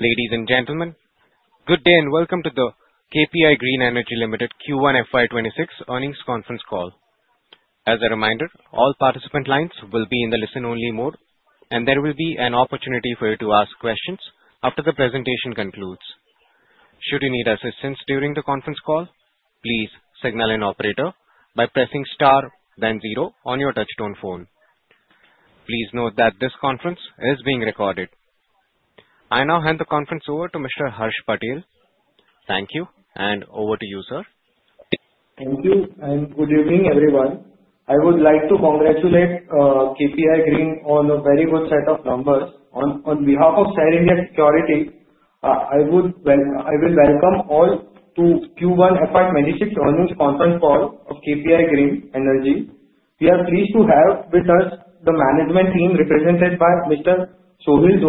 Ladies and gentlemen, good day and welcome to the KPI Green Energy Limited Q1 FY26 earnings conference call. As a reminder, all participant lines will be in the listen-only mode, and there will be an opportunity for you to ask questions after the presentation concludes. Should you need assistance during the conference call, please signal an operator by pressing star, then zero on your touchtone phone. Please note that this conference is being recorded. I now hand the conference over to Mr. Harsh Patel. Thank you, and over to you, sir. Thank you, and good evening, everyone. I would like to congratulate KPI Green Energy on a very good set of numbers. On behalf of Share India Securities, I will welcome all to Q1 FY26 earnings conference call of KPI Green Energy. We are pleased to have with us the management team represented by Mr. Sohil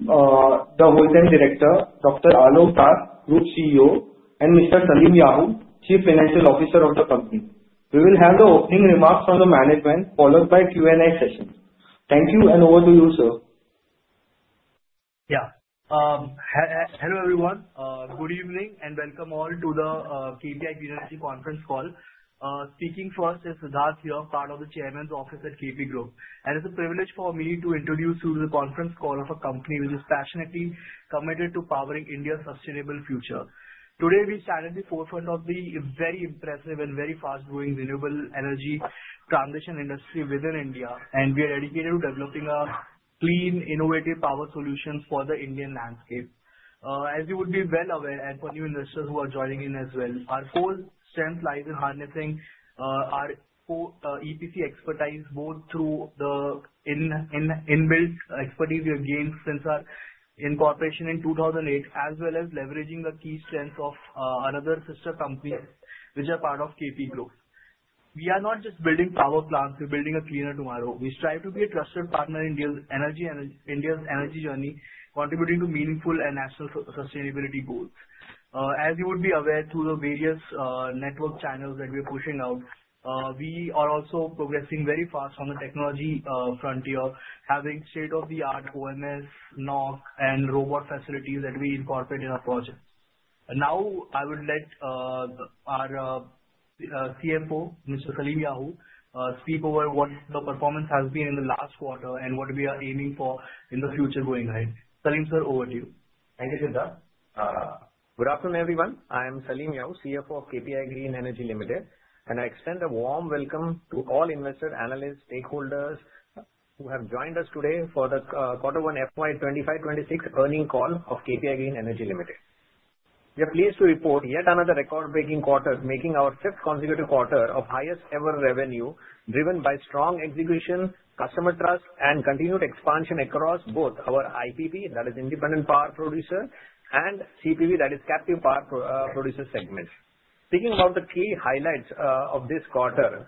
Dabhoya, Whole Time Director, Dr. Alok Das, Group CEO, and Mr. Salim Yahoo, Chief Financial Officer of the company. We will have the opening remarks from the management, followed by Q&A session. Thank you, and over to you, sir. Yeah. Hello, everyone. Good evening, and welcome all to the KPI Green Energy conference call. Speaking first is Siddharth here, part of the Chairman's office at KP Group. And it's a privilege for me to introduce you to the conference call of a company which is passionately committed to powering India's sustainable future. Today, we stand at the forefront of the very impressive and very fast-growing renewable energy transition industry within India, and we are dedicated to developing clean, innovative power solutions for the Indian landscape. As you would be well aware, and for new investors who are joining in as well, our whole strength lies in harnessing our EPC expertise, both through the in-built expertise we have gained since our incorporation in 2008, as well as leveraging the key strengths of our other sister companies which are part of KP Group. We are not just building power plants. We're building a cleaner tomorrow. We strive to be a trusted partner in India's energy journey, contributing to meaningful and national sustainability goals. As you would be aware, through the various network channels that we are pushing out, we are also progressing very fast on the technology frontier, having state-of-the-art OMS, NOC, and robot facilities that we incorporate in our projects. Now, I would let our CFO, Mr. Salim Yahoo, speak over what the performance has been in the last quarter and what we are aiming for in the future going ahead. Salim, sir, over to you. Thank you, Siddharth. Good afternoon, everyone. I am Salim Yahoo, CFO of KPI Green Energy Limited, and I extend a warm welcome to all investors, analysts, and stakeholders who have joined us today for the quarter one FY26 earnings call of KPI Green Energy Limited. We are pleased to report yet another record-breaking quarter, making our fifth consecutive quarter of highest-ever revenue, driven by strong execution, customer trust, and continued expansion across both our IPP, that is Independent Power Producer, and CPP, that is Captive Power Producer segment. Speaking about the key highlights of this quarter,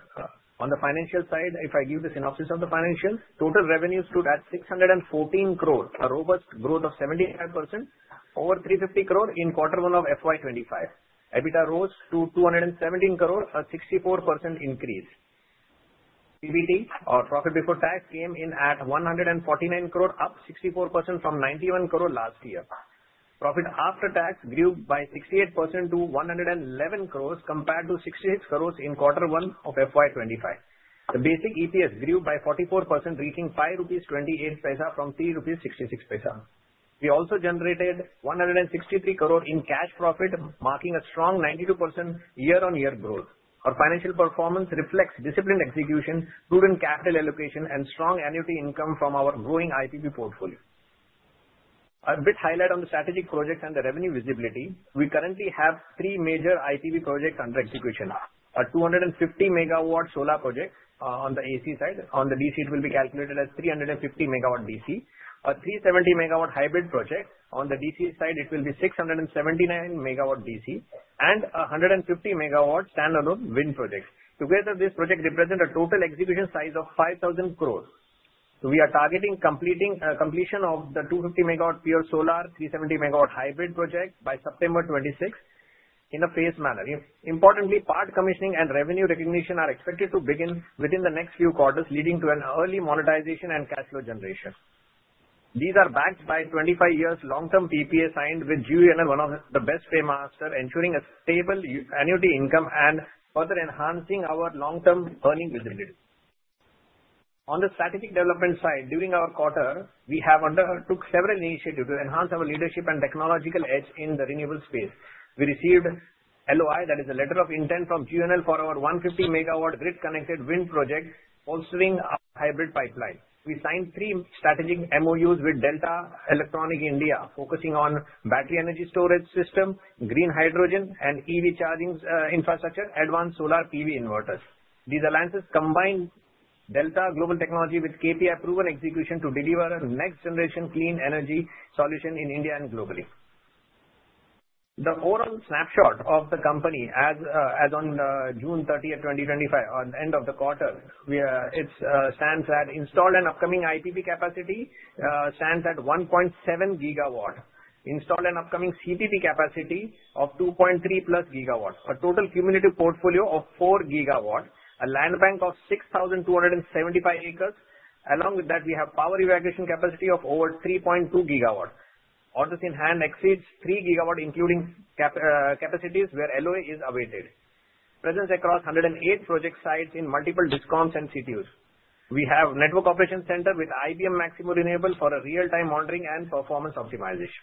on the financial side, if I give the synopsis of the financials, total revenues stood at 614 crore, a robust growth of 75% over 350 crore in quarter one of FY25. EBITDA rose to 217 crore, a 64% increase. PBT, or Profit Before Tax, came in at 149 crore, up 64% from 91 crore last year. Profit after tax grew by 68% to 111 crore, compared to 66 crore in quarter one of FY25. The basic EPS grew by 44%, reaching 5.28 rupees from 3.66 rupees. We also generated 163 crore in cash profit, marking a strong 92% year-on-year growth. Our financial performance reflects disciplined execution, proven capital allocation, and strong annuity income from our growing IPP portfolio. A brief highlight on the strategic projects and the revenue visibility, we currently have three major IPP projects under execution: a 250-MW solar project on the AC side, on the DC, it will be calculated as 350 MW DC; a 370-MW hybrid project on the DC side, it will be 679 MW DC; and a 150-MW standalone wind project. Together, these projects represent a total execution size of 5,000 crore. So we are targeting completion of the 250-MW pure solar, 370-MW hybrid project by September 2026 in a phased manner. Importantly, partial commissioning and revenue recognition are expected to begin within the next few quarters, leading to an early monetization and cash flow generation. These are backed by 25 years long-term PPA signed with GUVNL, one of the best pay masters, ensuring a stable annuity income and further enhancing our long-term earning visibility. On the strategic development side, during our quarter, we have undertook several initiatives to enhance our leadership and technological edge in the renewable space. We received LOI, that is a letter of intent from GUVNL for our 150-MW grid-connected wind project, bolstering our hybrid pipeline. We signed three strategic MOUs with Delta Electronics India, focusing on battery energy storage system, green hydrogen, and EV charging infrastructure, advanced solar PV inverters. These alliances combine Delta's global technology with KPI-proven execution to deliver a next-generation clean energy solution in India and globally. The overall snapshot of the company as of June 30th, 2025, on the end of the quarter, stands at installed and upcoming IPP capacity of 1.7 GW, installed and upcoming CPP capacity of 2.3+ GW, a total cumulative portfolio of 4 GW, a land bank of 6,275 acres. Along with that, we have power evacuation capacity of over 3.2 GW. All this in hand exceeds 3 GW, including capacities where LOI is awaited. Presence across 108 project sites in multiple DISCOMs and CTUs. We have a network operations center with IBM Maximo Renewables for real-time monitoring and performance optimization.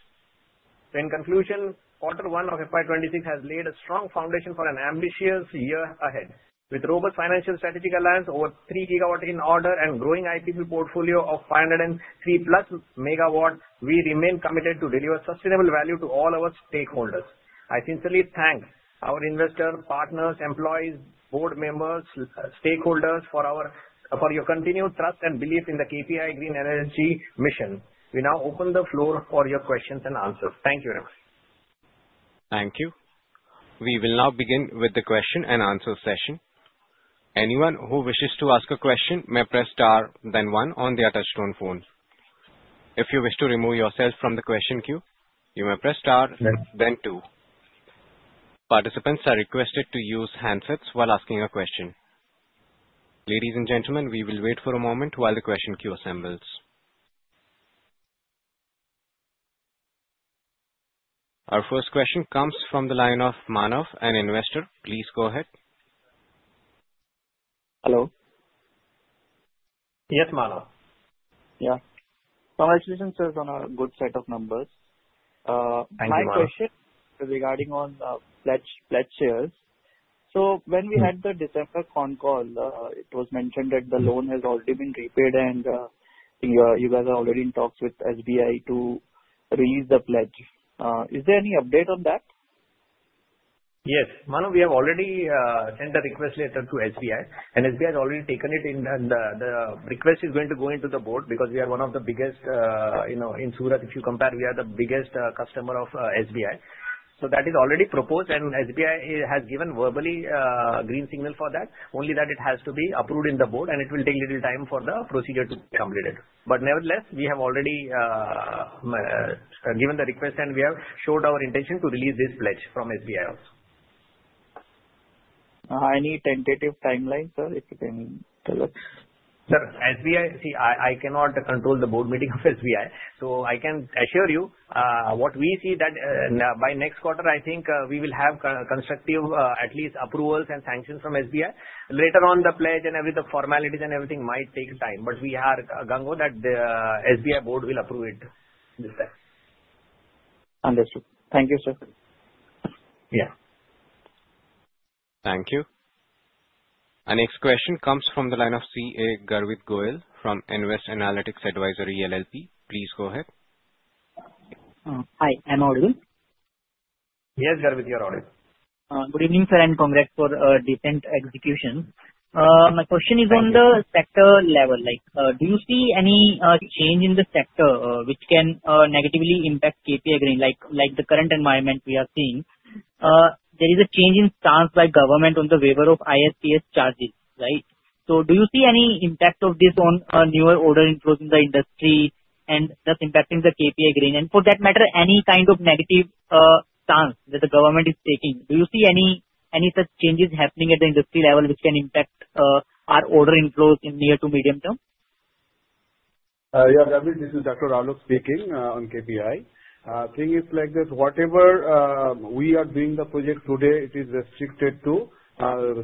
In conclusion, quarter one of FY26 has laid a strong foundation for an ambitious year ahead. With robust financial strategic alliance, over 3 GW in order, and a growing IPP portfolio of 503+ MW, we remain committed to deliver sustainable value to all our stakeholders. I sincerely thank our investors, partners, employees, board members, and stakeholders for your continued trust and belief in the KPI Green Energy mission. We now open the floor for your questions and answers. Thank you very much. Thank you. We will now begin with the question and answer session. Anyone who wishes to ask a question may press star, then one on their touch-tone phone. If you wish to remove yourself from the question queue, you may press star, then two. Participants are requested to use handsets while asking a question. Ladies and gentlemen, we will wait for a moment while the question queue assembles. Our first question comes from the line of Manav, an investor. Please go ahead. Hello. Yes, Manav. Yeah. So our execution stays on a good set of numbers. Thank you, Manav. My question is regarding pledged shares. So when we had the December con call, it was mentioned that the loan has already been repaid, and you guys are already in talks with SBI to release the pledge. Is there any update on that? Yes. Manav, we have already sent a request letter to SBI, and SBI has already taken it in. The request is going to go into the board because we are one of the biggest in Surat. If you compare, we are the biggest customer of SBI. So that is already proposed, and SBI has given verbally a green signal for that, only that it has to be approved in the board, and it will take a little time for the procedure to be completed. But nevertheless, we have already given the request, and we have showed our intention to release this pledge from SBI also. Any tentative timeline, sir, if you can tell us? Sir, SBI, see, I cannot control the board meeting of SBI, so I can assure you what we see that by next quarter, I think we will have constructive, at least, approvals and sanctions from SBI. Later on, the pledge and every formality and everything might take time, but we are gung-ho that the SBI board will approve it this time. Understood. Thank you, sir. Yeah. Thank you. Our next question comes from the line of CA Garvit Goyal from Nvest Analytics Advisory LLP. Please go ahead. Hi. I'm audible? Yes, Garvit, you're audible. Good evening, sir, and congrats for decent execution. My question is on the sector level. Do you see any change in the sector which can negatively impact KPI Green, like the current environment we are seeing? There is a change in stance by government on the waiver of ISTS charges, right? So do you see any impact of this on newer order inflows in the industry and thus impacting the KPI Green? And for that matter, any kind of negative stance that the government is taking? Do you see any such changes happening at the industry level which can impact our order inflows in near to medium term? Yeah, Garvit, this is Dr. Alok Das speaking on KPI. Thing is like this. Whatever we are doing, the project today, it is restricted to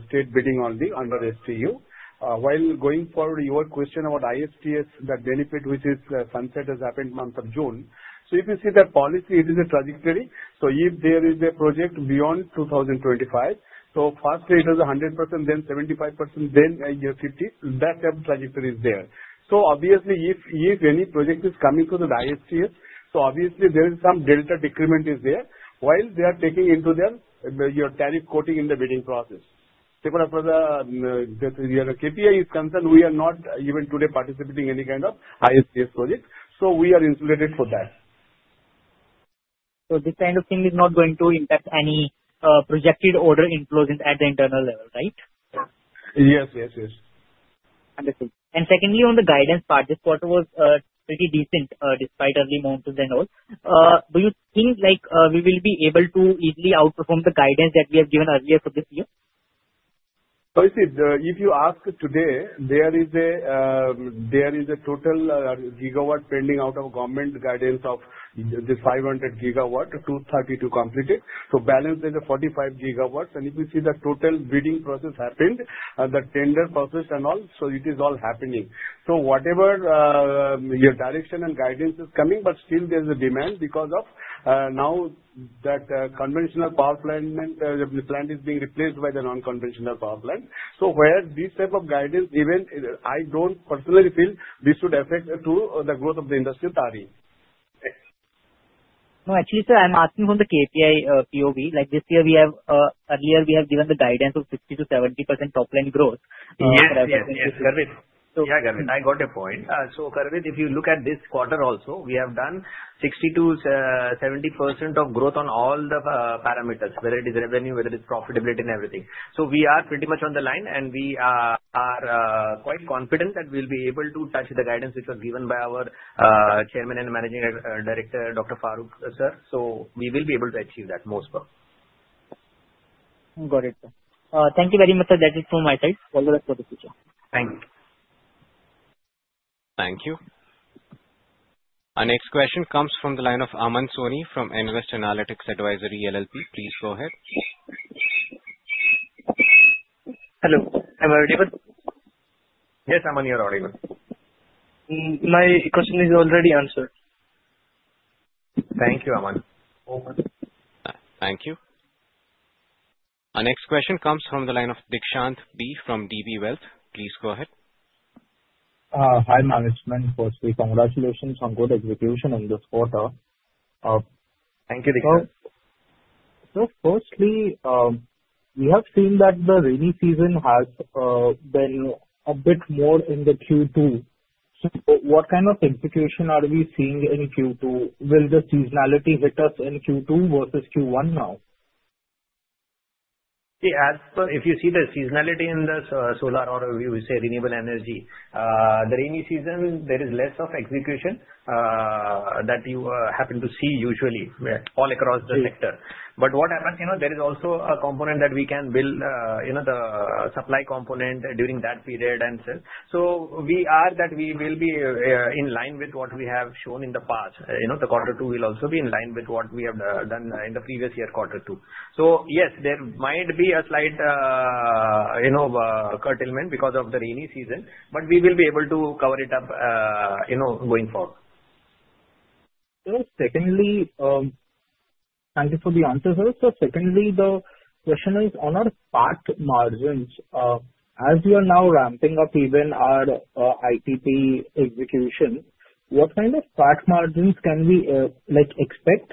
state bidding only under STU. While going forward, your question about ISTS, that benefit which is sunset has happened month of June. So if you see that policy, it is a trajectory. So if there is a project beyond 2025, so first, it is 100%, then 75%, then a year 50%, that type of trajectory is there. So obviously, if any project is coming through the ISTS, so obviously, there is some delta decrement there. While they are taking into them your tariff quoting in the bidding process. For the KPI is concerned, we are not even today participating in any kind of ISTS project. So we are insulated for that. So this kind of thing is not going to impact any projected order inflows at the internal level, right? Yes, yes, yes. Understood. And secondly, on the guidance part, this quarter was pretty decent despite early monsoons and all. Do you think we will be able to easily outperform the guidance that we have given earlier for this year? So, if you ask today, there is a total gigawatt pending out of government guidance of this 500 GW to 230 GW completed. So balance is 45 GW. And if you see the total bidding process happened, the tender process and all, so it is all happening. So whatever your direction and guidance is coming, but still there's a demand because of now that conventional power plant is being replaced by the non-conventional power plant. So where this type of guidance, even I don't personally feel this would affect the growth of the industry with RE. No, actually, sir, I'm asking from the KPI POV. This year, earlier, we have given the guidance of 60%-70% top-line growth. Yes, Garvit. Yeah, Garvit, I got a point. So Garvit, if you look at this quarter also, we have done 60%-70% of growth on all the parameters, whether it is revenue, whether it's profitability, and everything. So we are pretty much on the line, and we are quite confident that we'll be able to touch the guidance which was given by our Chairman and Managing Director, Dr. Faruk, sir. So we will be able to achieve that, most probably. Got it, sir. Thank you very much. That is from my side. All the best for the future. Thank you. Thank you. Our next question comes from the line of Aman Soni from Nvest Analytics Advisory LLP. Please go ahead. Hello. Am I audible? Yes, Aman, you're audible. My question is already answered. Thank you, Aman. Alright. Thank you. Our next question comes from the line of Deekshant from DB Wealth. Please go ahead. Hi, Management. Firstly, congratulations on good execution in this quarter. Thank you, Deekshant. So firstly, we have seen that the rainy season has been a bit more in the Q2. So what kind of execution are we seeing in Q2? Will the seasonality hit us in Q2 versus Q1 now? See, as per if you see the seasonality in the solar or, as we say, renewable energy, the rainy season, there is less of execution that you happen to see usually all across the sector. But what happens, there is also a component that we can build the supply component during that period and so on. So we are that we will be in line with what we have shown in the past. The quarter two will also be in line with what we have done in the previous year, quarter two. So yes, there might be a slight curtailment because of the rainy season, but we will be able to cover it up going forward. Secondly, thank you for the answer, sir. So secondly, the question is on our PAT margins. As we are now ramping up even our IPP execution, what kind of PAT margins can we expect?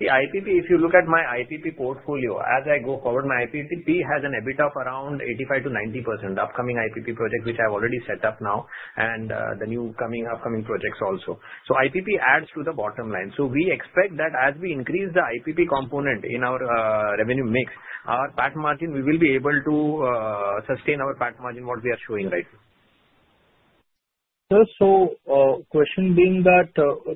See, IPP, if you look at my IPP portfolio, as I go forward, my IPP has an EBITDA of around 85%-90%, upcoming IPP projects which I've already set up now, and the new coming upcoming projects also. So IPP adds to the bottom line. So we expect that as we increase the IPP component in our revenue mix, our PAT margin, we will be able to sustain our PAT margin what we are showing right now. Sir, so question being that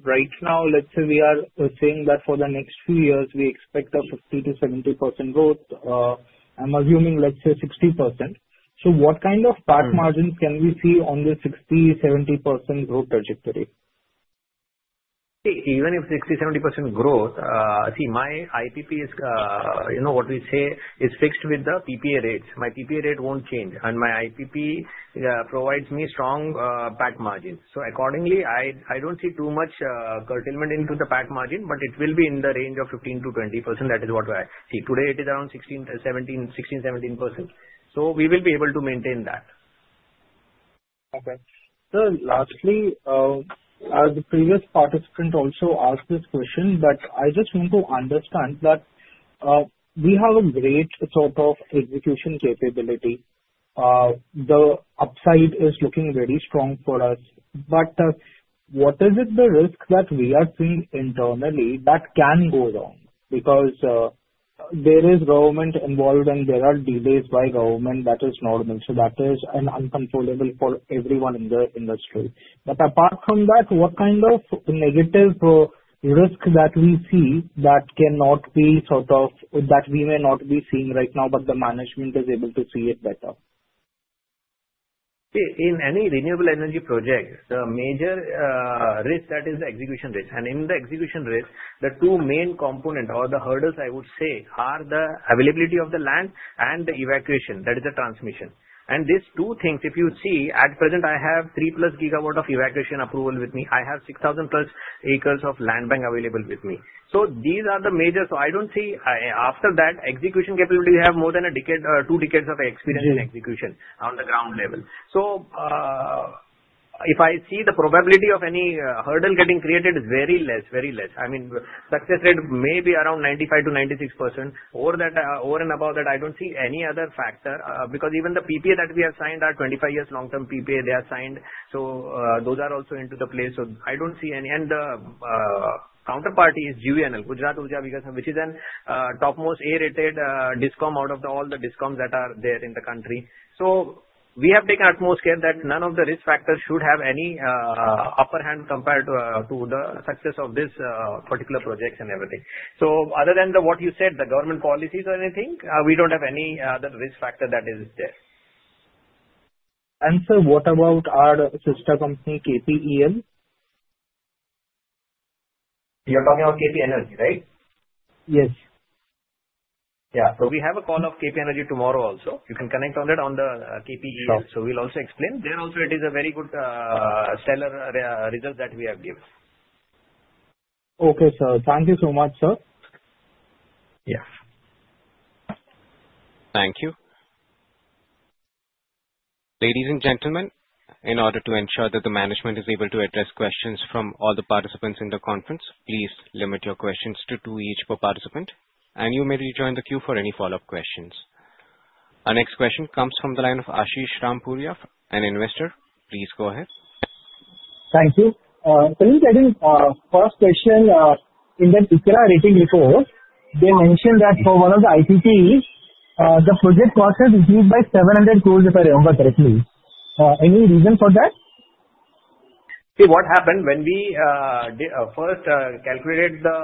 right now, let's say we are saying that for the next few years, we expect a 50%-70% growth. I'm assuming, let's say, 60%. So what kind of PAT margins can we see on the 60%-70% growth trajectory? See, even if 60%-70% growth, see, my IPP is what we say is fixed with the PPA rates. My PPA rate won't change, and my IPP provides me strong PAT margins. So accordingly, I don't see too much curtailment into the PAT margin, but it will be in the range of 15%-20%. That is what I see. Today, it is around 16%-17%, 16%-17%. So we will be able to maintain that. Okay. Sir, lastly, as the previous participant also asked this question, but I just want to understand that we have a great sort of execution capability. The upside is looking very strong for us. But what is it the risk that we are seeing internally that can go wrong? Because there is government involved, and there are delays by government. That is normal. So that is uncontrollable for everyone in the industry. But apart from that, what kind of negative risk that we see that cannot be sort of that we may not be seeing right now, but the management is able to see it better? See, in any renewable energy project, the major risk, that is the execution risk, and in the execution risk, the two main components or the hurdles, I would say, are the availability of the land and the evacuation. That is the transmission, and these two things, if you see, at present, I have 3+ GW of evacuation approval with me. I have 6,000+ acres of land bank available with me, so these are the major, so I don't see after that execution capability, we have more than a decade, two decades of experience in execution on the ground level, so if I see the probability of any hurdle getting created is very less, very less. I mean, success rate may be around 95%-96% or above that. I don't see any other factor because even the PPA that we have signed, our 25-year long-term PPA, they have signed. So those are also in the place. So I don't see any, and the counterparty is GUVNL, Gujarat Urja Vikas Nigam, which is a topmost A-rated DISCOM out of all the DISCOMs that are there in the country. So we have taken utmost care that none of the risk factors should have any upper hand compared to the success of this particular project and everything. Other than what you said, the government policies or anything, we don't have any other risk factor that is there. Sir, what about our sister company, KPEL? You're talking about KP Energy, right? Yes. Yeah. So we have a call of KP Energy tomorrow also. You can connect on that on the KPEL. So we'll also explain. There also, it is a very good stellar result that we have given. Okay, sir. Thank you so much, sir. Yeah. Thank you. Ladies and gentlemen, in order to ensure that the management is able to address questions from all the participants in the conference, please limit your questions to two each per participant, and you may rejoin the queue for any follow-up questions. Our next question comes from the line of Ashish Rampuria, an investor. Please go ahead. Thank you. Can you tell me first question? In that ICRA rating report, they mentioned that for one of the IPPs, the project cost has increased by 700 crore, if I remember correctly. Any reason for that? See, what happened when we first calculated the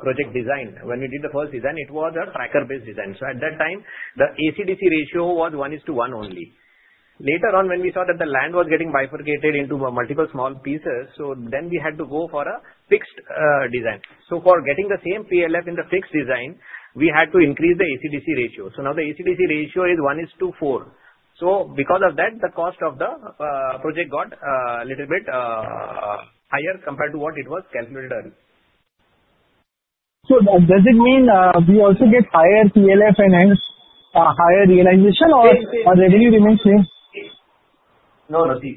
project design, when we did the first design, it was a tracker-based design. So at that time, the AC/DC ratio was 1:1 only. Later on, when we saw that the land was getting bifurcated into multiple small pieces, so then we had to go for a fixed design. So for getting the same PLF in the fixed design, we had to increase the AC/DC ratio. So now the AC/DC ratio is 1:4. So because of that, the cost of the project got a little bit higher compared to what it was calculated earlier. So does it mean we also get higher PLF and higher realization, or revenue remains the same? No, no. See,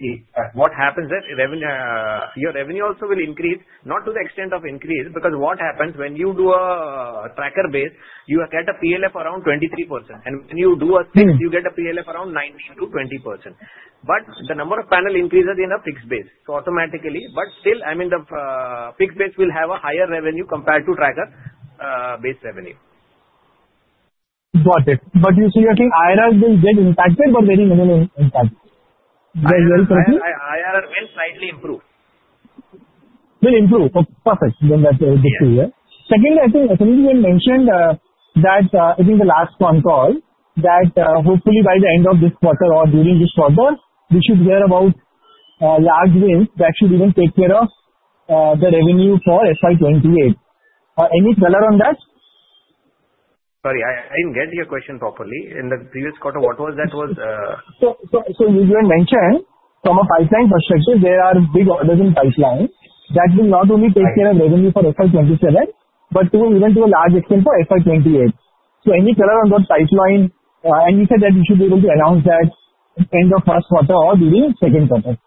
what happens is your revenue also will increase, not to the extent of increase, because what happens when you do a tracker-based, you get a PLF around 23%. And when you do a fixed, you get a PLF around 19%-20%. But the number of panel increases in a fixed base, so automatically. But still, I mean, the fixed base will have a higher revenue compared to tracker-based revenue. Got it. But you see that IRR will get impacted or very minimal impact? IRR will slightly improve. Will improve. Perfect. Then that's good to hear. Second, I think you had mentioned that in the last phone call that hopefully by the end of this quarter or during this quarter, we should hear about large wins that should even take care of the revenue for FY28. Any color on that? Sorry, I didn't get your question properly. In the previous quarter, what was that? So you had mentioned from a pipeline perspective, there are big orders in pipeline that will not only take care of revenue for FY27, but even to a large extent for FY28. So any color on that pipeline? And you said that you should be able to announce that end of first quarter or during second quarter.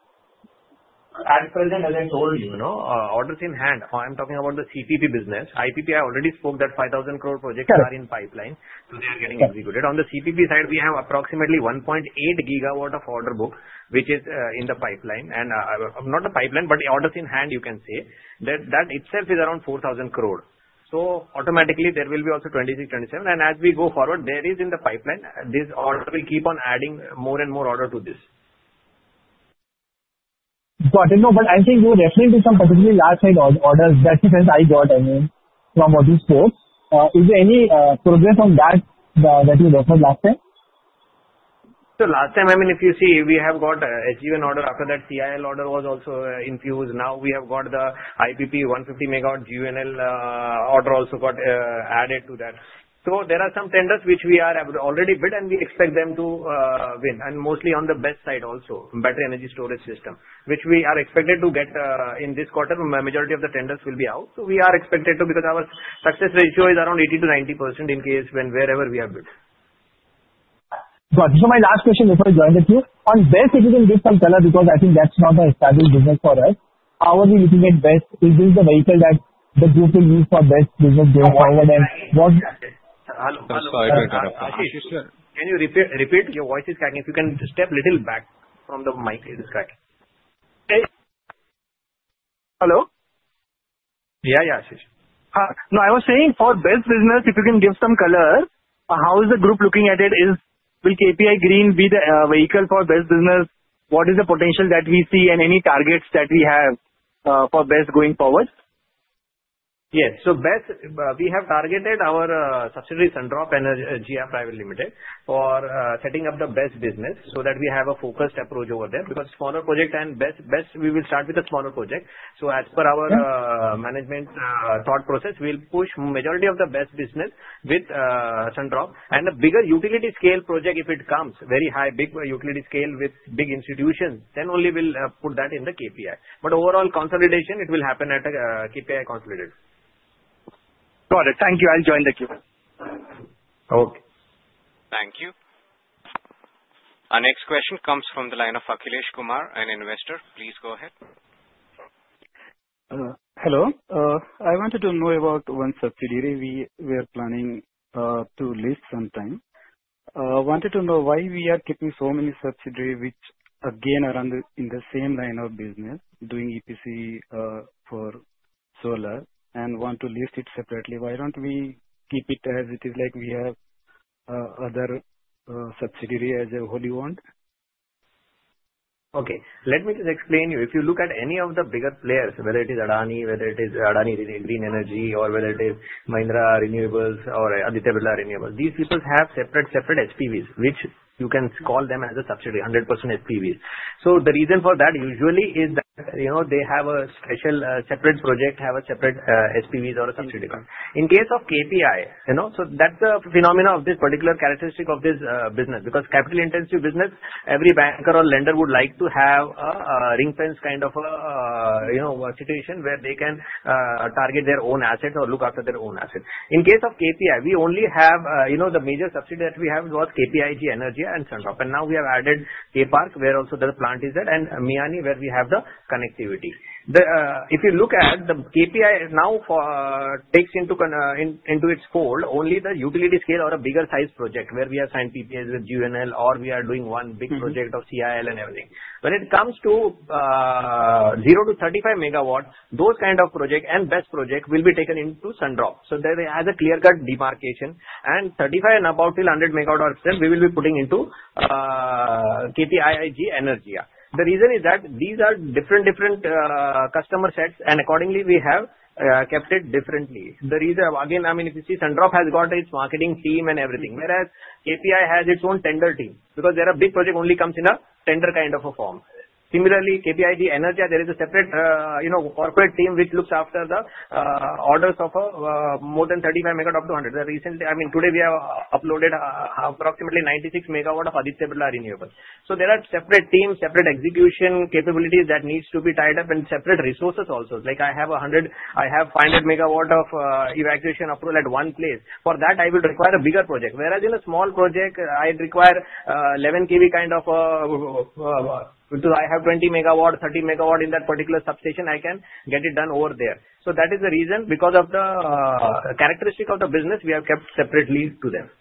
As far as I told you, orders in hand. I'm talking about the CPP business. IPP, I already spoke that 5,000 crore projects are in pipeline, so they are getting executed. On the CPP side, we have approximately 1.8 GW of order book, which is in the pipeline. And not the pipeline, but orders in hand, you can say, that itself is around 4,000 crore. So automatically, there will be also 2026, 2027. And as we go forward, there is in the pipeline, this order will keep on adding more and more order to this. Got it. No, but I think you were referring to some particularly large-sized orders that you said I got, I mean, from what you spoke. Is there any progress on that that you referred last time? Last time, I mean, if you see, we have got SJVN order. After that, CIL order was also infused. Now we have got the IPP 150 MW GUVNL order also got added to that. There are some tenders which we have already bid, and we expect them to win, and mostly on the BESS side also, battery energy storage system, which we are expected to get in this quarter. Majority of the tenders will be out. We are expected to because our success ratio is around 80%-90% in case when wherever we have bid. Got it. So my last question, before I join with you, on BESS, if you can give some color because I think that's not a staggered business for us, how are we looking at BESS? Is this the vehicle that the group will use for BESS business going forward? And what. Hello? Sorry, I interrupted. Ashish, can you repeat? Your voice is cutting. If you can step a little back from the mic, it is cutting. Hello? Yeah, yeah, Ashish. No, I was saying for BESS business, if you can give some color, how is the group looking at it? Will KPI Green be the vehicle for BESS business? What is the potential that we see and any targets that we have for BESS going forward? Yes. So BESS, we have targeted our subsidiary Sun Drops Energy Private Limited for setting up the BESS business so that we have a focused approach over there because smaller projects and BESS, we will start with a smaller project. So as per our management thought process, we'll push majority of the BESS business with Sun Drops. And a bigger utility scale project, if it comes, very high, big utility scale with big institutions, then only we'll put that in the KPI. But overall consolidation, it will happen at KPI consolidated. Got it. Thank you. I'll join the queue. Okay. Thank you. Our next question comes from the line of Akhilesh Kumar, an investor. Please go ahead. Hello. I wanted to know about one subsidiary we are planning to list sometime. I wanted to know why we are keeping so many subsidiaries, which again are in the same line of business doing EPC for solar and want to list it separately. Why don't we keep it as it is like we have other subsidiaries as a wholly owned one? Okay. Let me just explain you. If you look at any of the bigger players, whether it is Adani, whether it is Adani Green Energy, or whether it is Mahindra Renewables or Aditya Birla Renewables, these people have separate SPVs, which you can call them as a subsidiary, 100% SPVs. So the reason for that usually is that they have a special separate project, have a separate SPVs or a subsidiary. I n case of KPI, so that's the phenomena of this particular characteristic of this business because capital-intensive business, every banker or lender would like to have a ring-fenced kind of a situation where they can target their own assets or look after their own assets. In case of KPI, we only have the major subsidiary that we have was KPIG Energia and Sun Drops. And now we have added KP Park, where also the plant is at, and Miyani, where we have the connectivity. If you look at the KPI now, it takes into its fold only the utility scale or a bigger size project where we have signed PPAs with GUVNL, or we are doing one big project of CIL and everything. When it comes to zero MW-35 MW, those kind of projects and BESS projects will be taken into Sun Drops. So there is a clear-cut demarcation. And 35 MW and above till 100 MW, we will be putting into KPIG Energia. The reason is that these are different, different customer sets, and accordingly, we have kept it differently. The reason, again, I mean, if you see, Sun Drops has got its marketing team and everything, whereas KPI has its own tender team because there are big projects only come in a tender kind of a form. Similarly, KPIG Energia, there is a separate corporate team which looks after the orders of more than 35 MW up to 100 MW. I mean, today, we have uploaded approximately 96 MW of Aditya Birla Renewables. So there are separate teams, separate execution capabilities that need to be tied up and separate resources also. Like I have 500 MW of evacuation approval at one place. For that, I will require a bigger project. Whereas in a small project, I require 11 kV kind of, which I have 20 MW, 30 MW in that particular substation, I can get it done over there. So that is the reason because of the characteristic of the business, we have kept separately to them.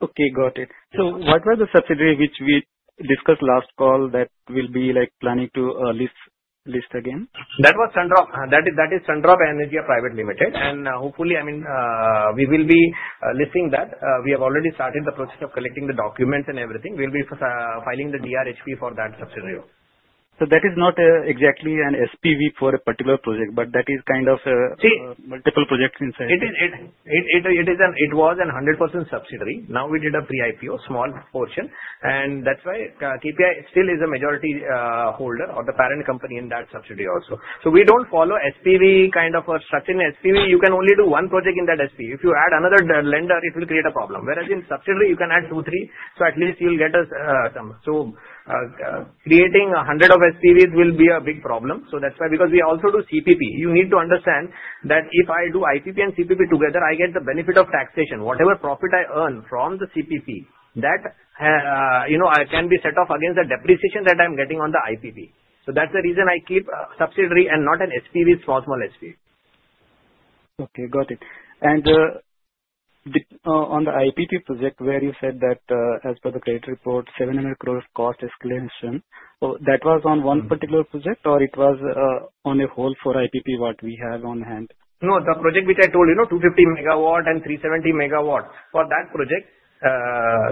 Okay, got it. So what was the subsidiary which we discussed last call that will be planning to list again? That was Sun Drops. That is Sun Drops Energy Private Limited. And hopefully, I mean, we will be listing that. We have already started the process of collecting the documents and everything. We'll be filing the DRHP for that subsidiary. So that is not exactly an SPV for a particular project, but that is kind of a multiple projects inside? It was a 100% subsidiary. Now we did a pre-IPO, small portion. And that's why KPI still is a majority holder or the parent company in that subsidiary also. So we don't follow SPV kind of a structure. In SPV, you can only do one project in that SPV. If you add another lender, it will create a problem. Whereas in subsidiary, you can add two, three, so at least you'll get us some. So creating 100 of SPVs will be a big problem. So that's why because we also do CPP. You need to understand that if I do IPP and CPP together, I get the benefit of taxation. Whatever profit I earn from the CPP, that can be set off against the depreciation that I'm getting on the IPP. So that's the reason I keep subsidiary and not an SPV, small, small SPV. Okay, got it. And on the IPP project, where you said that as per the credit report, 700 crore cost escalation, that was on one particular project, or it was on a whole for IPP what we have on hand? No, the project which I told you, 250 MW and 370 MW for that project,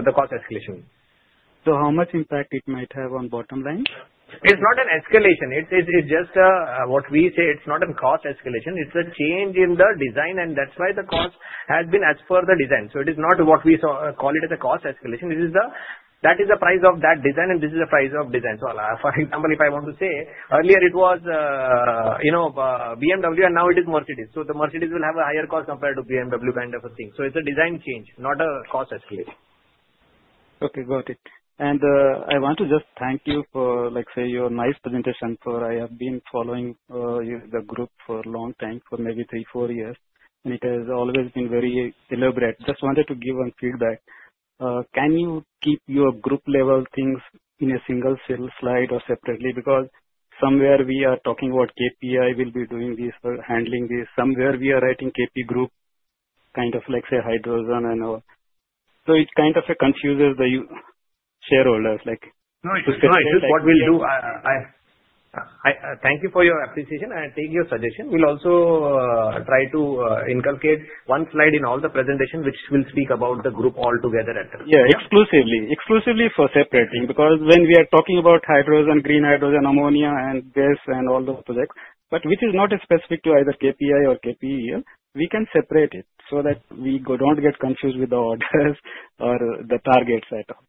the cost escalation. So how much impact it might have on bottom line? It's not an escalation. It's just what we say, it's not a cost escalation. It's a change in the design, and that's why the cost has been as per the design. So it is not what we call it as a cost escalation. That is the price of that design, and this is the price of design. So for example, if I want to say, earlier it was BMW, and now it is Mercedes. So the Mercedes will have a higher cost compared to BMW kind of a thing. So it's a design change, not a cost escalation. Okay, got it. And I want to just thank you for, like I say, your nice presentation. I have been following the group for a long time, for maybe three, four years, and it has always been very elaborate. Just wanted to give one feedback. Can you keep your group-level things in a single slide or separately? Because somewhere we are talking about KPI, we'll be doing this, handling this. Somewhere we are writing KP Group kind of, like I say, hydrogen and all. So it kind of confuses the shareholders. No, it's just what we'll do. Thank you for your appreciation. I take your suggestion. We'll also try to inculcate one slide in all the presentation, which will speak about the group altogether at that point. Yeah, exclusively. Exclusively for separating because when we are talking about hydrogen and green hydrogen ammonia and gas and all those projects, but which is not specific to either KPI or KPE, we can separate it so that we don't get confused with the orders or the targets at all.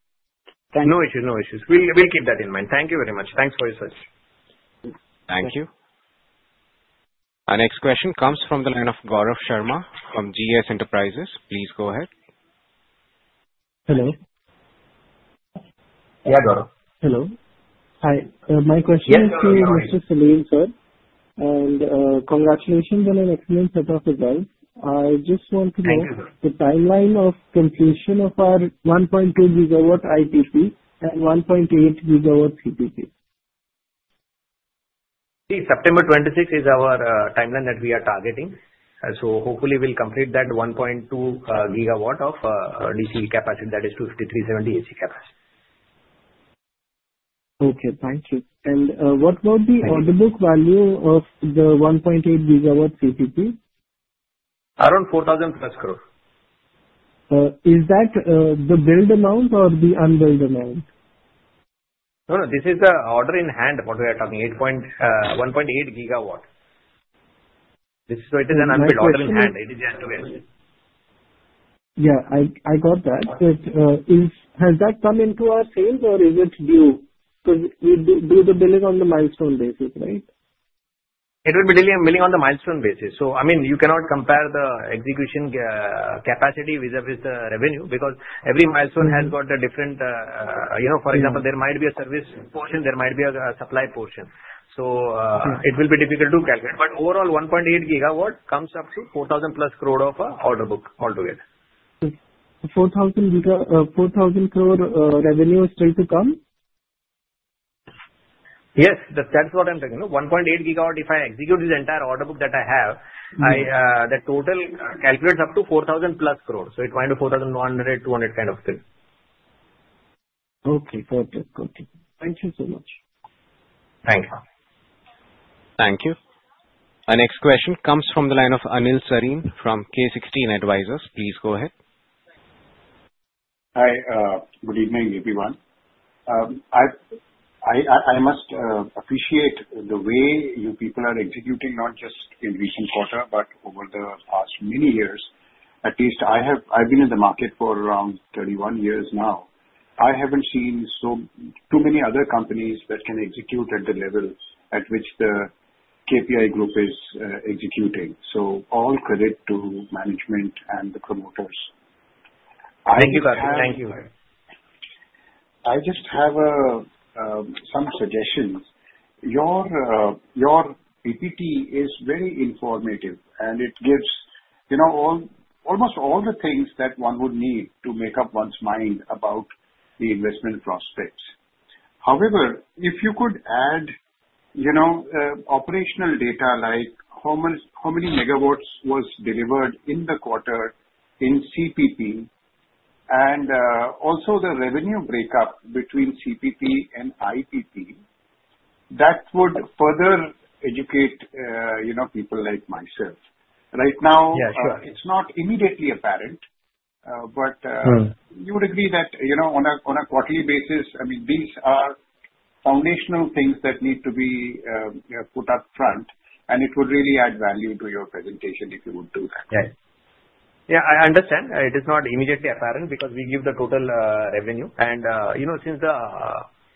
Thank you. No issues, no issues. We'll keep that in mind. Thank you very much. Thanks for your suggestion. Thank you. Our next question comes from the line of Gaurav Sharma from GS Enterprises. Please go ahead. Hello. Yeah, Gaurav. Hello. Hi. My question is to Mr. Salim, sir, and congratulations on an excellent setup as well. I just want to know the timeline of completion of our 1.2 GW IPP and 1.8 GW CPP. See, September 26 is our timeline that we are targeting. So hopefully, we'll complete that 1.2 GW of DC capacity. That is 250 AC-370 AC capacity. Okay, thank you. And what was the order book value of the 1.8 GW CPP? Around INR 4,000+crore. Is that the billed amount or the unbilled amount? No, no. This is the order in hand what we are talking, 1.8 GW. So it is an unbilled order in hand. It is yet to get. Yeah, I got that. Has that come into our sales or is it due? Because we do the billing on the milestone basis, right? It will be billing on the milestone basis. So I mean, you cannot compare the execution capacity vis-à-vis the revenue because every milestone has got a different, for example, there might be a service portion, there might be a supply portion. So it will be difficult to calculate. But overall, 1.8 GW comes up to INR 4,000+crore of order book altogether. 4,000 crore revenue is still to come? Yes, that's what I'm talking about. 1.8 GW, if I execute this entire order book that I have, the total calculates up to 4,000+ crore. So it went to 4,100 crore, 200 kind of thing. Okay, got it. Got it. Thank you so much. Thank you. Thank you. Our next question comes from the line of Anil Sarin from K16 Advisors. Please go ahead. Hi. Good evening, everyone. I must appreciate the way you people are executing, not just in recent quarter, but over the past many years. At least I've been in the market for around 31 years now. I haven't seen too many other companies that can execute at the level at which the KPI Group is executing. So all credit to management and the promoters. Thank you, sir. Thank you. I just have some suggestions. Your PPT is very informative, and it gives almost all the things that one would need to make up one's mind about the investment prospects. However, if you could add operational data like how many MWs was delivered in the quarter in CPP and also the revenue breakup between CPP and IPP, that would further educate people like myself. Right now, it's not immediately apparent, but you would agree that on a quarterly basis, I mean, these are foundational things that need to be put upfront, and it would really add value to your presentation if you would do that. Yeah. Yeah, I understand. It is not immediately apparent because we give the total revenue. And since the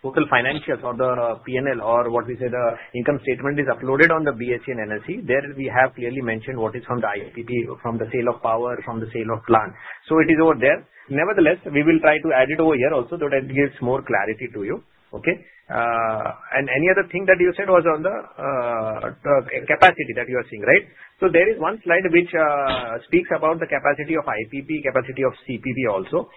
total financials or the P&L or what we say the income statement is uploaded on the BSE and NSE, there we have clearly mentioned what is from the IPP, from the sale of power, from the sale of plant. So it is over there. Nevertheless, we will try to add it over here also so that it gives more clarity to you. Okay? And any other thing that you said was on the capacity that you are seeing, right? So there is one slide which speaks about the capacity of IPP, capacity of CPP also.